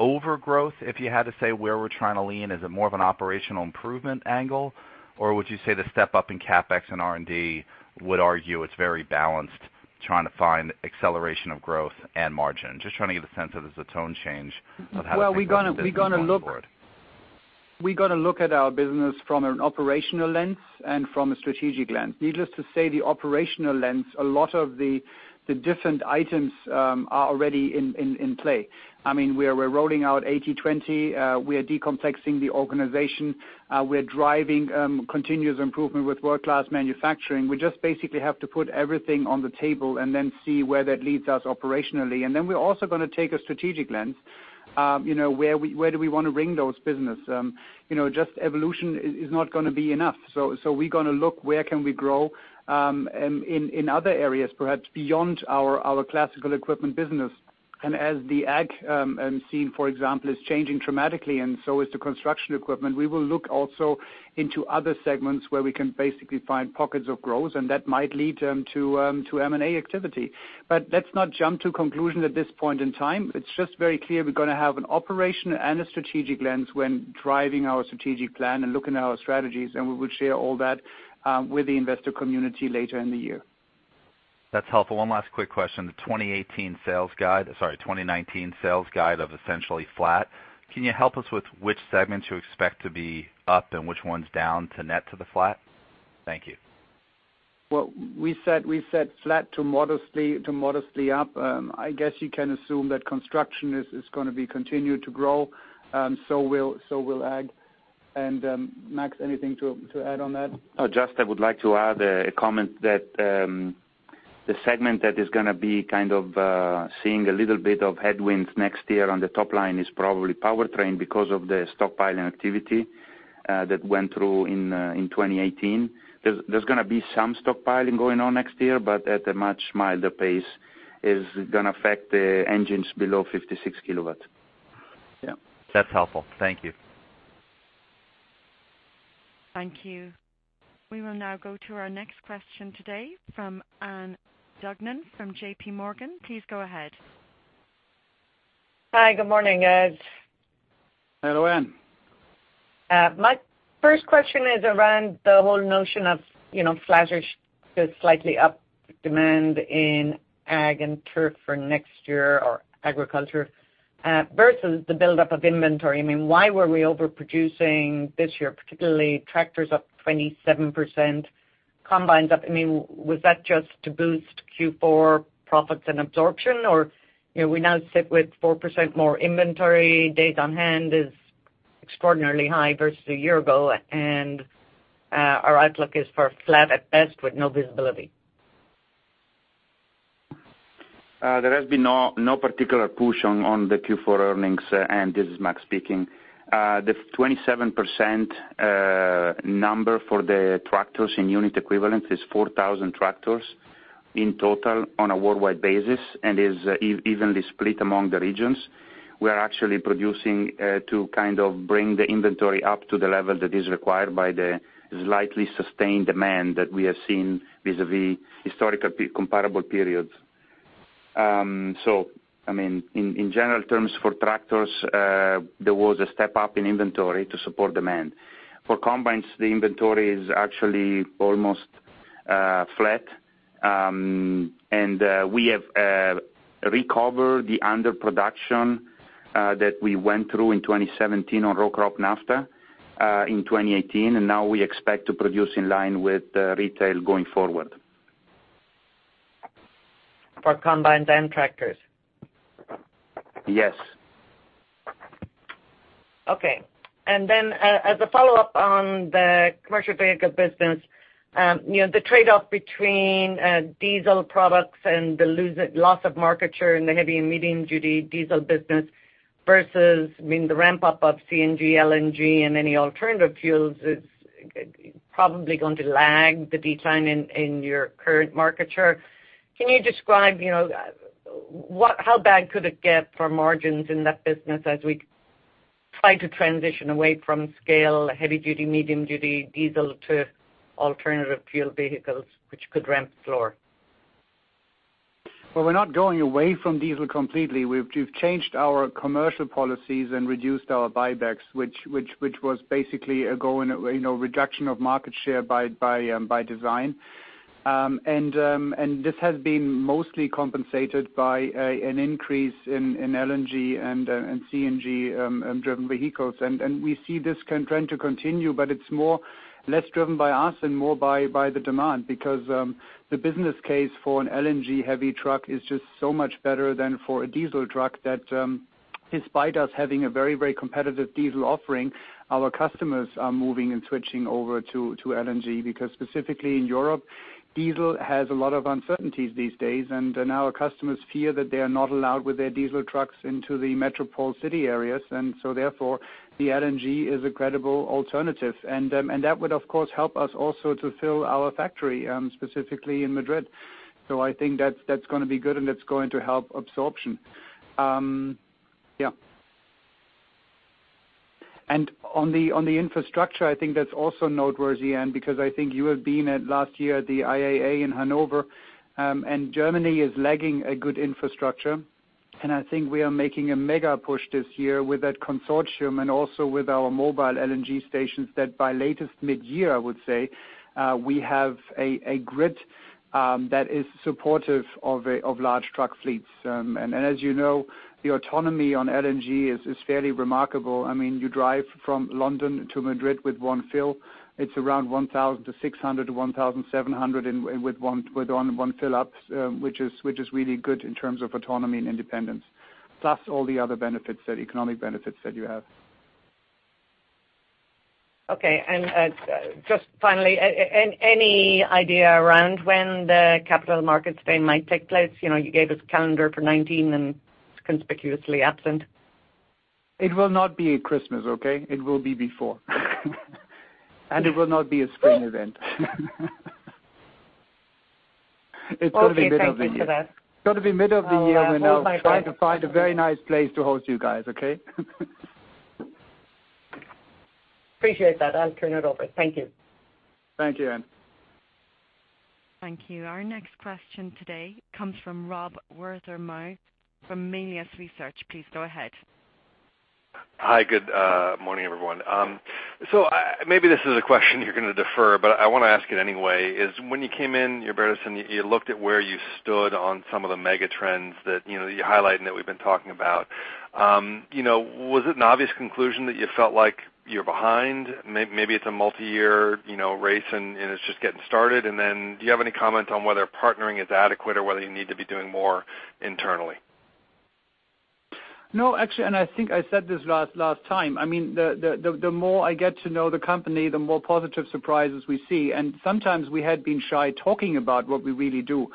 over growth, if you had to say where we're trying to lean? Is it more of an operational improvement angle, or would you say the step-up in CapEx and R&D would argue it's very balanced trying to find acceleration of growth and margin? Just trying to get a sense of, is the tone change of how to think about 2024 and forward? We got to look at our business from an operational lens and from a strategic lens. Needless to say, the operational lens, a lot of the different items are already in play. We're rolling out 80/20. We are de-complexing the organization. We're driving continuous improvement with World Class Manufacturing. We just basically have to put everything on the table and then see where that leads us operationally. Then we're also going to take a strategic lens, where do we want to bring those business? Just evolution is not going to be enough. We're going to look where can we grow, and in other areas, perhaps beyond our classical equipment business. As the ag scene, for example, is changing dramatically and so is the construction equipment, we will look also into other segments where we can basically find pockets of growth and that might lead to M&A activity. Let's not jump to conclusions at this point in time. It's just very clear we're going to have an operation and a strategic lens when driving our strategic plan and looking at our strategies, and we will share all that with the investor community later in the year. That's helpful. One last quick question. The 2019 sales guide of essentially flat, can you help us with which segments you expect to be up and which ones down to net to the flat? Thank you. Well, we said flat to modestly up. I guess you can assume that construction is going to be continued to grow, so will ag. Max, anything to add on that? Just I would like to add a comment that the segment that is going to be seeing a little bit of headwinds next year on the top line is probably powertrain because of the stockpiling activity that went through in 2018. There's going to be some stockpiling going on next year, but at a much milder pace, is going to affect the engines below 56 kW. Yeah. That's helpful. Thank you. Thank you. We will now go to our next question today from Ann Duignan from JPMorgan. Please go ahead. Hi, good morning, guys. Hello, Ann. My first question is around the whole notion of flat or slightly up demand in ag and turf for next year or agriculture, versus the buildup of inventory. Why were we overproducing this year, particularly tractors up 27%, combines up, was that just to boost Q4 profits and absorption? Or we now sit with 4% more inventory, days on hand is extraordinarily high versus a year ago, and our outlook is for flat at best with no visibility. There has been no particular push on the Q4 earnings, Ann. This is Max speaking. The 27% number for the tractors in unit equivalent is 4,000 tractors in total on a worldwide basis and is evenly split among the regions. We are actually producing to bring the inventory up to the level that is required by the slightly sustained demand that we have seen vis-a-vis historical comparable periods. In general terms for tractors, there was a step up in inventory to support demand. For combines, the inventory is actually almost flat. We have recovered the underproduction that we went through in 2017 on row crop NAFTA in 2018, and now we expect to produce in line with retail going forward. For combines and tractors? Yes. Okay. As a follow-up on the commercial vehicle business, the trade-off between diesel products and the loss of market share in the heavy and medium-duty diesel business versus the ramp-up of CNG, LNG, and any alternative fuels is probably going to lag the decline in your current market share. Can you describe how bad could it get for margins in that business as we try to transition away from scale, heavy duty, medium duty diesel to alternative fuel vehicles, which could ramp slower? Well, we're not going away from diesel completely. We've changed our commercial policies and reduced our buybacks, which was basically a reduction of market share by design. This has been mostly compensated by an increase in LNG and CNG-driven vehicles. We see this trend to continue, but it's less driven by us and more by the demand, because the business case for an LNG heavy truck is just so much better than for a diesel truck that, despite us having a very competitive diesel offering, our customers are moving and switching over to LNG because specifically in Europe, diesel has a lot of uncertainties these days, and now our customers fear that they are not allowed with their diesel trucks into the metropolitan city areas, therefore, the LNG is a credible alternative. That would, of course, help us also to fill our factory, specifically in Madrid. I think that's going to be good, and it's going to help absorption. Yeah. On the infrastructure, I think that's also noteworthy, Ann, because I think you have been at last year at the IAA in Hanover, Germany is lagging a good infrastructure. I think we are making a mega push this year with that consortium and also with our mobile LNG stations that by latest mid-year, I would say, we have a grid that is supportive of large truck fleets. As you know, the autonomy on LNG is fairly remarkable. You drive from London to Madrid with one fill. It's around 1,600 to 1,700 with one fill-ups, which is really good in terms of autonomy and independence. Plus all the other economic benefits that you have. Okay. Just finally, any idea around when the capital markets day might take place? You gave us a calendar for 2019, it's conspicuously absent. It will not be at Christmas, okay? It will be before. It will not be a spring event. It's got to be middle of the year. Okay, thank you for that. It's got to be middle of the year when. Oh, I hope my try to find a very nice place to host you guys, okay? Appreciate that. I'll turn it over. Thank you. Thank you, Ann. Thank you. Our next question today comes from Rob Wertheimer from Melius Research. Please go ahead. Hi, good morning, everyone. Maybe this is a question you're going to defer, but I want to ask it anyway, is when you came in, Hubertus, and you looked at where you stood on some of the mega trends that you highlight and that we've been talking about. Was it an obvious conclusion that you felt like you're behind? Maybe it's a multi-year race, and it's just getting started. Do you have any comment on whether partnering is adequate or whether you need to be doing more internally? No, actually, I think I said this last time. The more I get to know the company, the more positive surprises we see. Sometimes we had been shy talking about what we really do.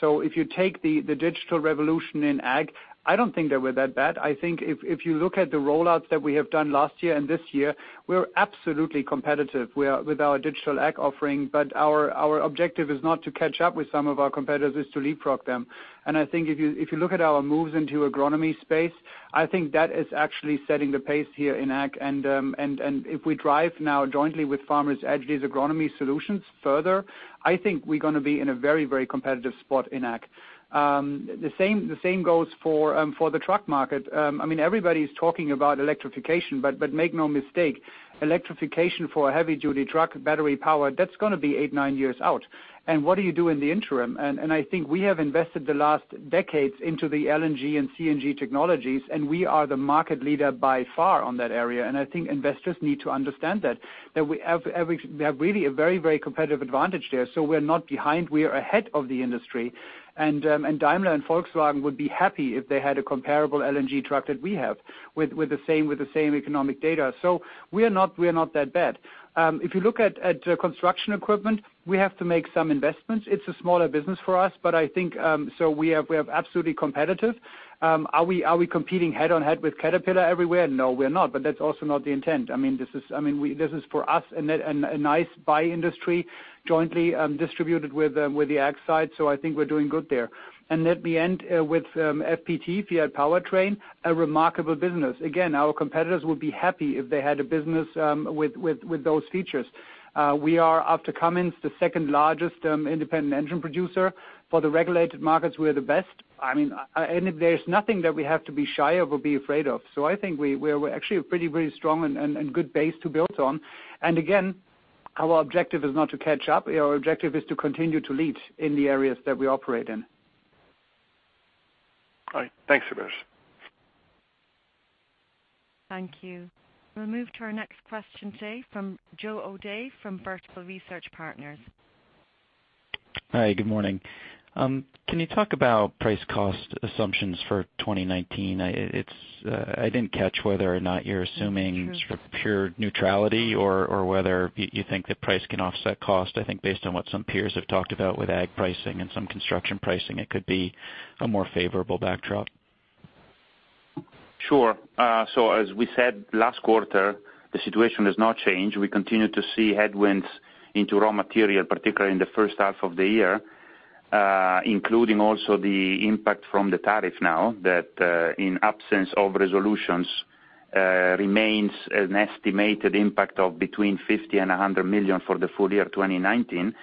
If you take the digital revolution in ag, I don't think that we're that bad. I think if you look at the roll-outs that we have done last year and this year, we're absolutely competitive with our digital ag offering. Our objective is not to catch up with some of our competitors, it's to leapfrog them. I think if you look at our moves into agronomy space, I think that is actually setting the pace here in ag. If we drive now jointly with Farmers Edge, these agronomy solutions further, I think we're going to be in a very competitive spot in ag. The same goes for the truck market. Everybody's talking about electrification, but make no mistake, electrification for a heavy-duty truck, battery power, that's going to be eight, nine years out. What do you do in the interim? I think we have invested the last decades into the LNG and CNG technologies, and we are the market leader by far on that area. I think investors need to understand that we have really a very competitive advantage there. We're not behind, we are ahead of the industry. Daimler and Volkswagen would be happy if they had a comparable LNG truck that we have with the same economic data. We are not that bad. If you look at construction equipment, we have to make some investments. It's a smaller business for us, but I think we are absolutely competitive. Are we competing head-on-head with Caterpillar everywhere? No, we're not. That's also not the intent. This is for us a nice buy industry jointly distributed with the ag side. I think we're doing good there. Let me end with FPT, Fiat Powertrain, a remarkable business. Again, our competitors would be happy if they had a business with those features. We are, after Cummins, the second largest independent engine producer. For the regulated markets, we are the best. There's nothing that we have to be shy of or be afraid of. I think we're actually a pretty strong and good base to build on. Again, our objective is not to catch up. Our objective is to continue to lead in the areas that we operate in. All right. Thanks, Hubertus. Thank you. We'll move to our next question today from Joe O'Dea from Vertical Research Partners. Hi, good morning. Can you talk about price cost assumptions for 2019? I didn't catch whether or not you're assuming sort of pure neutrality or whether you think that price can offset cost. I think based on what some peers have talked about with ag pricing and some construction pricing, it could be a more favorable backdrop. Sure. As we said last quarter, the situation has not changed. We continue to see headwinds into raw material, particularly in the first half of the year, including also the impact from the tariff now that in absence of resolutions, remains an estimated impact of between $50 million and $100 million for the full year 2019.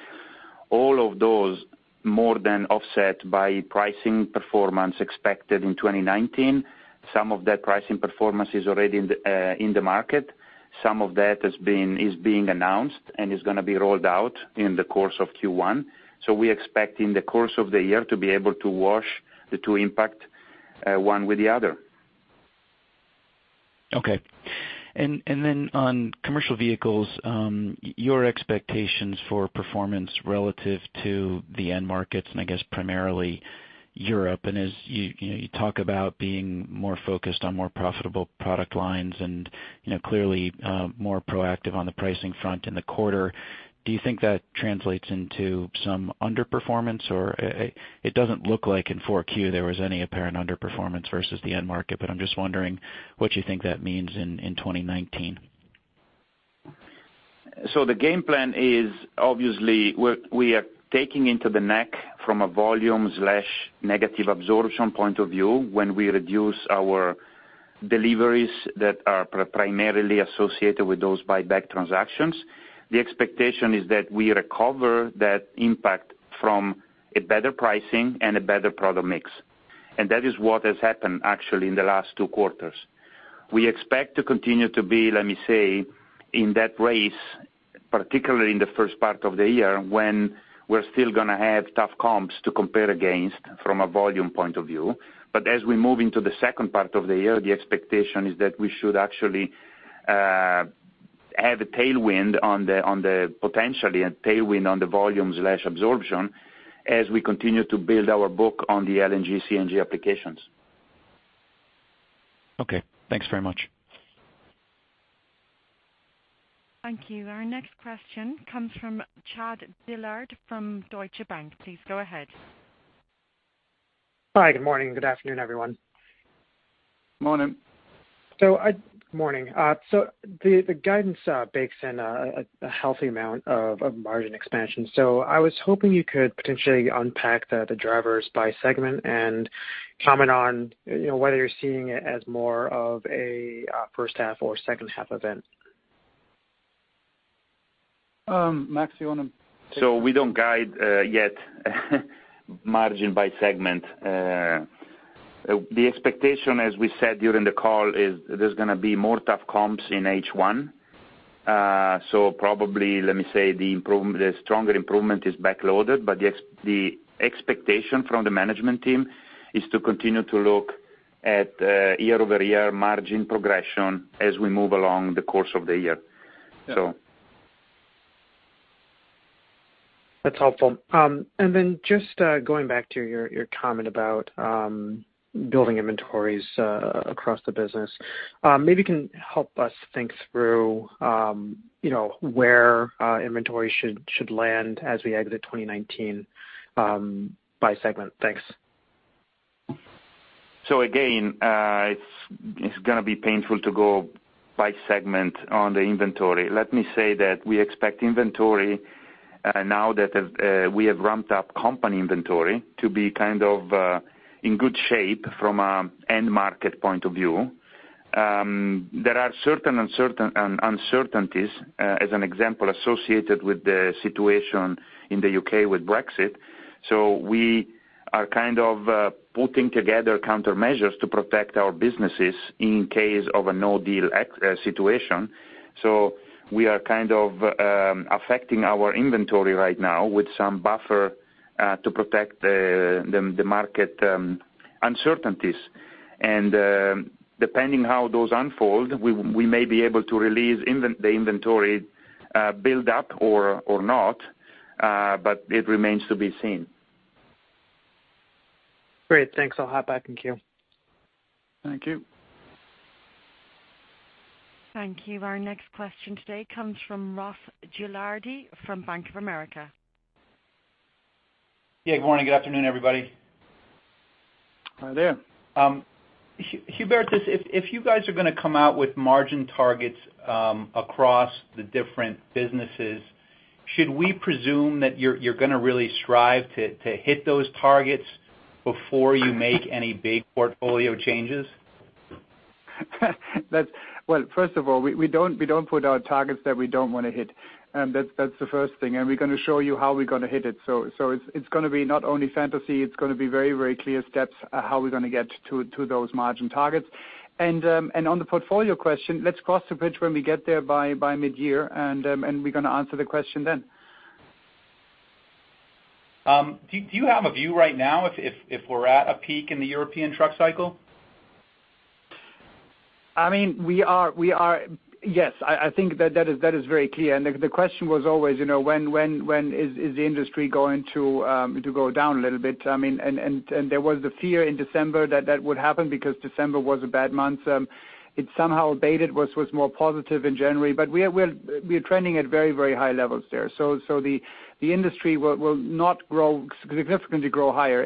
All of those more than offset by pricing performance expected in 2019. Some of that pricing performance is already in the market. Some of that is being announced and is going to be rolled out in the course of Q1. We expect in the course of the year to be able to wash the two impact one with the other. On commercial vehicles, your expectations for performance relative to the end markets, and I guess primarily Europe. As you talk about being more focused on more profitable product lines and clearly more proactive on the pricing front in the quarter, do you think that translates into some underperformance or it doesn't look like in 4Q there was any apparent underperformance versus the end market, but I'm just wondering what you think that means in 2019. The game plan is obviously we are taking into the neck from a volume/negative absorption point of view when we reduce our Deliveries that are primarily associated with those buyback transactions. The expectation is that we recover that impact from a better pricing and a better product mix. That is what has happened actually in the last two quarters. We expect to continue to be, let me say, in that race, particularly in the first part of the year, when we're still going to have tough comps to compare against from a volume point of view. As we move into the second part of the year, the expectation is that we should actually have a tailwind, potentially a tailwind on the volumes/absorption as we continue to build our book on the LNG, CNG applications. Okay, thanks very much. Thank you. Our next question comes from Chad Dillard from Deutsche Bank. Please go ahead. Hi, good morning, good afternoon, everyone. Morning. Morning. The guidance bakes in a healthy amount of margin expansion. I was hoping you could potentially unpack the drivers by segment and comment on whether you're seeing it as more of a first half or second half event. Max, you want to take that? We don't guide yet margin by segment. The expectation, as we said during the call, is there's going to be more tough comps in H1. Probably, let me say, the stronger improvement is back-loaded, but the expectation from the management team is to continue to look at year-over-year margin progression as we move along the course of the year. That's helpful. Then just going back to your comment about building inventories across the business. Maybe you can help us think through where inventories should land as we exit 2019 by segment. Thanks. Again, it's going to be painful to go by segment on the inventory. Let me say that we expect inventory, now that we have ramped up company inventory, to be in good shape from an end market point of view. There are certain uncertainties, as an example, associated with the situation in the U.K. with Brexit. We are putting together countermeasures to protect our businesses in case of a no-deal situation. We are affecting our inventory right now with some buffer to protect the market uncertainties. Depending how those unfold, we may be able to release the inventory build-up or not, but it remains to be seen. Great. Thanks. I'll hop back in queue. Thank you. Thank you. Our next question today comes from Ross Gilardi from Bank of America. Yeah, good morning, good afternoon, everybody. Hi there. Hubertus, if you guys are going to come out with margin targets across the different businesses, should we presume that you're going to really strive to hit those targets before you make any big portfolio changes? Well, first of all, we don't put out targets that we don't want to hit. That's the first thing. We're going to show you how we're going to hit it. It's going to be not only fantasy, it's going to be very clear steps how we're going to get to those margin targets. On the portfolio question, let's cross the bridge when we get there by mid-year, and we're going to answer the question then. Do you have a view right now if we're at a peak in the European truck cycle? Yes, I think that is very clear. The question was always, when is the industry going to go down a little bit? There was the fear in December that that would happen because December was a bad month. It somehow abated, was more positive in January. We are trending at very high levels there. The industry will not significantly grow higher.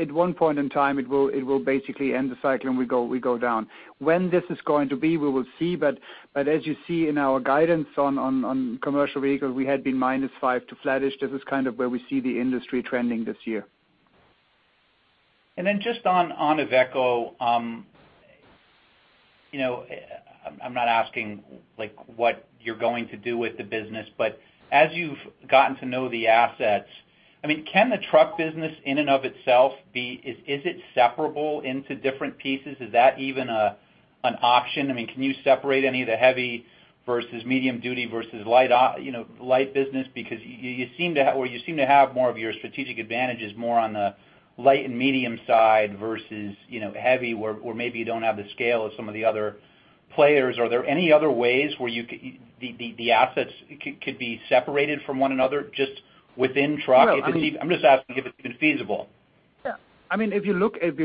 At one point in time, it will basically end the cycle, and we go down. When this is going to be, we will see, but as you see in our guidance on commercial vehicles, we had been -5 to flattish. This is kind of where we see the industry trending this year. Just on Iveco. I'm not asking what you're going to do with the business, but as you've gotten to know the assets, can the truck business in and of itself, is it separable into different pieces? Is that even an option? Can you separate any of the heavy versus medium duty versus light business? Because you seem to have more of your strategic advantages more on the light and medium side versus heavy, where maybe you don't have the scale of some of the other players. Are there any other ways where the assets could be separated from one another just within truck? I'm just asking if it's even feasible. If you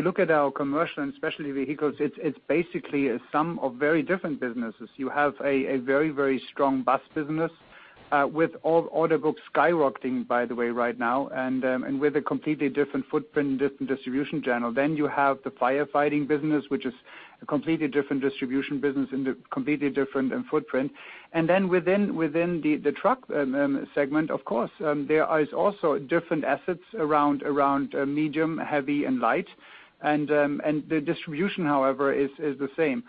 look at our Commercial and Specialty Vehicles, it's basically a sum of very different businesses. You have a very strong bus business. With all order books skyrocketing, by the way, right now, and with a completely different footprint, different distribution channel. You have the firefighting business, which is a completely different distribution business and a completely different footprint. Within the truck segment, of course, there is also different assets around medium, heavy, and light. The distribution, however, is the same.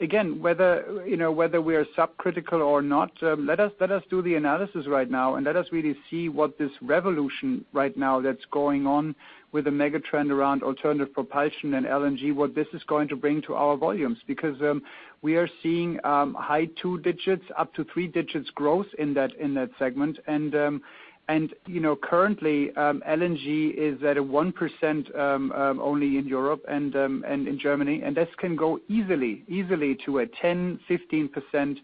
Again, whether we are subcritical or not, let us do the analysis right now and let us really see what this revolution right now that's going on with the mega trend around alternative propulsion and LNG, what this is going to bring to our volumes. Because we are seeing high single digits up to 2 digits growth in that segment. Currently, LNG is at 1% only in Europe and in Germany, and this can go easily to a 10%-15%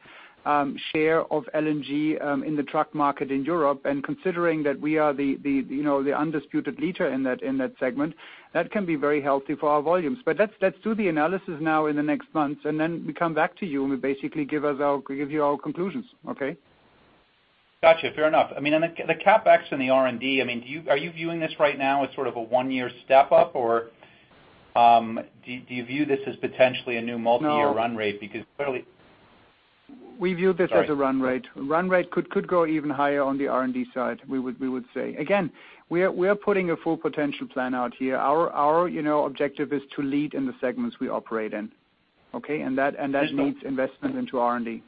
share of LNG in the truck market in Europe. Considering that we are the undisputed leader in that segment, that can be very healthy for our volumes. Let's do the analysis now in the next month, and then we come back to you, and we basically give you our conclusions, okay? Got you. Fair enough. The CapEx and the R&D, are you viewing this right now as sort of a one-year step-up, or do you view this as potentially a new multi-year run rate? Because clearly We view this as a run rate. Run rate could go even higher on the R&D side, we would say. Again, we are putting a full potential plan out here. Our objective is to lead in the segments we operate in. Okay? That needs investment into R&D.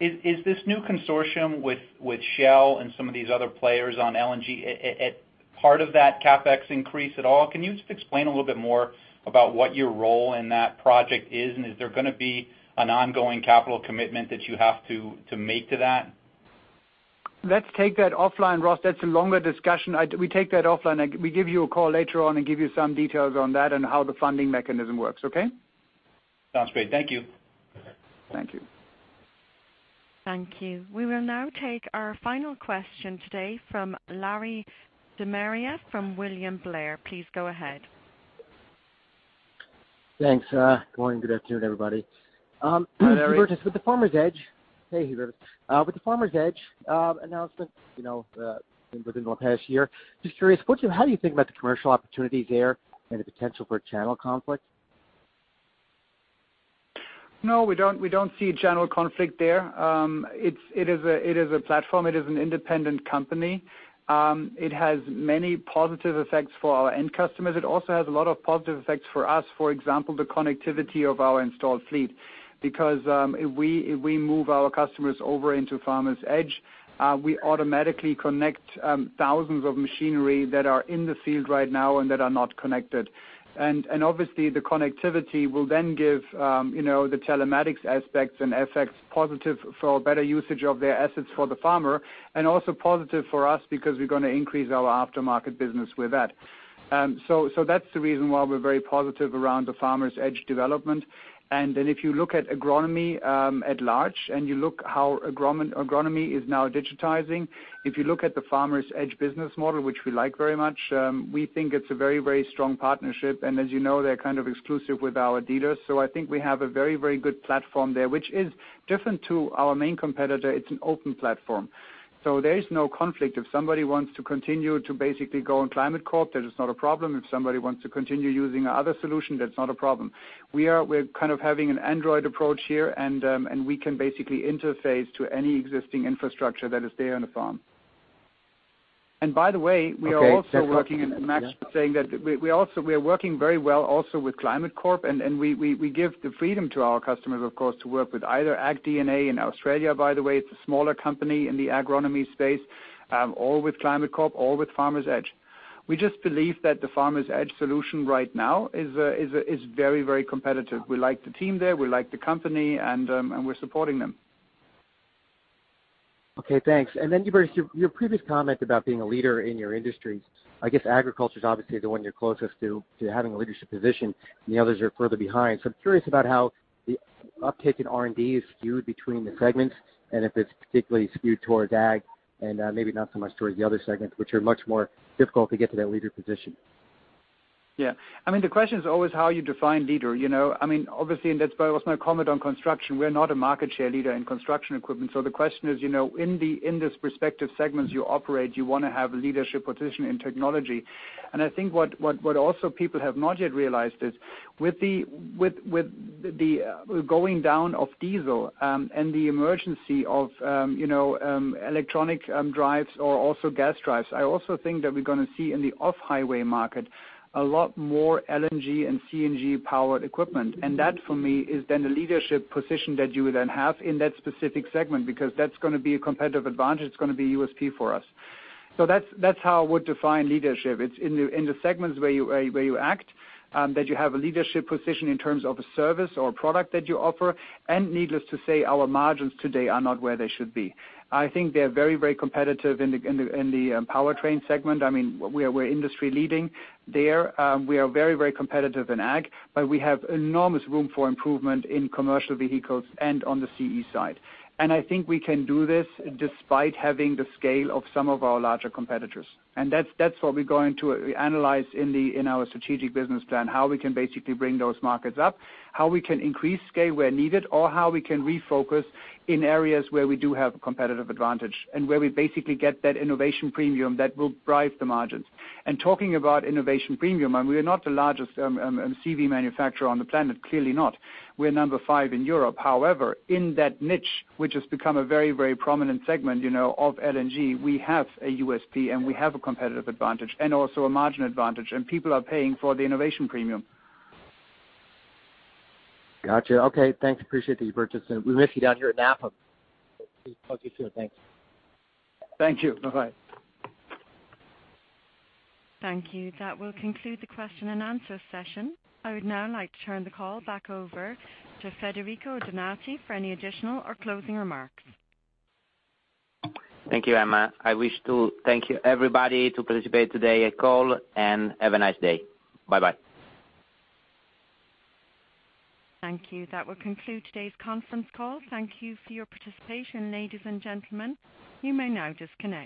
Is this new consortium with Shell and some of these other players on LNG a part of that CapEx increase at all? Can you just explain a little bit more about what your role in that project is? Is there going to be an ongoing capital commitment that you have to make to that? Let's take that offline, Ross. That's a longer discussion. We take that offline, and we give you a call later on and give you some details on that and how the funding mechanism works, okay? Sounds great. Thank you. Thank you. Thank you. We will now take our final question today from Larry De Maria from William Blair. Please go ahead. Thanks. Good morning, good afternoon, everybody. Hi, Larry. Hubertus, with the Farmers Edge. Hey, Hubertus. With the Farmers Edge announcement within the past year, just curious, how do you think about the commercial opportunity there and the potential for channel conflict? No, we don't see a channel conflict there. It is a platform. It is an independent company. It has many positive effects for our end customers. It also has a lot of positive effects for us, for example, the connectivity of our installed fleet. Because if we move our customers over into Farmers Edge, we automatically connect thousands of machinery that are in the field right now and that are not connected. Obviously, the connectivity will then give the telematics aspects and effects positive for better usage of their assets for the farmer, and also positive for us because we're going to increase our aftermarket business with that. That's the reason why we're very positive around the Farmers Edge development. If you look at agronomy at large, and you look how agronomy is now digitizing, if you look at the Farmers Edge business model, which we like very much, we think it's a very strong partnership. As you know, they're kind of exclusive with our dealers. I think we have a very good platform there, which is different to our main competitor. It's an open platform. There is no conflict. If somebody wants to continue to basically go on Climate Corp, that is not a problem. If somebody wants to continue using our other solution, that's not a problem. We're kind of having an Android approach here, and we can basically interface to any existing infrastructure that is there on the farm. By the way, we are also working in. Okay. That's helpful. Max saying that we are working very well also with Climate Corp. We give the freedom to our customers, of course, to work with either AgDNA in Australia, by the way, it's a smaller company in the agronomy space, or with Climate Corp, or with Farmers Edge. We just believe that the Farmers Edge solution right now is very competitive. We like the team there, we like the company. We're supporting them. Okay, thanks. Hubert, your previous comment about being a leader in your industry, I guess agriculture is obviously the one you're closest to having a leadership position. The others are further behind. I'm curious about how the uptake in R&D is skewed between the segments, if it's particularly skewed towards ag, maybe not so much towards the other segments, which are much more difficult to get to that leader position. The question is always how you define leader. Obviously, that's why there was no comment on construction. We're not a market share leader in construction equipment. The question is, in these respective segments you operate, you want to have a leadership position in technology. I think what also people have not yet realized is with the going down of diesel, the emergency of electronic drives or also gas drives, I also think that we're going to see in the off-highway market a lot more LNG and CNG-powered equipment. That, for me, is then the leadership position that you would then have in that specific segment because that's going to be a competitive advantage. It's going to be USP for us. That's how I would define leadership. It's in the segments where you act, that you have a leadership position in terms of a service or a product that you offer. Needless to say, our margins today are not where they should be. I think they are very competitive in the powertrain segment. We're industry-leading there. We are very competitive in ag, we have enormous room for improvement in commercial vehicles and on the CE side. I think we can do this despite having the scale of some of our larger competitors. That's what we're going to analyze in our strategic business plan, how we can basically bring those markets up, how we can increase scale where needed, how we can refocus in areas where we do have a competitive advantage, where we basically get that innovation premium that will drive the margins. Talking about innovation premium, and we are not the largest CV manufacturer on the planet, clearly not. We're number five in Europe. However, in that niche, which has become a very prominent segment of LNG, we have a USP, and we have a competitive advantage and also a margin advantage, and people are paying for the innovation premium. Got you. Okay, thanks. Appreciate the input. We miss you down here at Napa. Talk to you soon. Thanks. Thank you. Bye-bye. Thank you. That will conclude the question and answer session. I would now like to turn the call back over to Federico Donati for any additional or closing remarks. Thank you, Emma. I wish to thank you, everybody, to participate today at call. Have a nice day. Bye-bye. Thank you. That will conclude today's conference call. Thank you for your participation, ladies and gentlemen. You may now disconnect.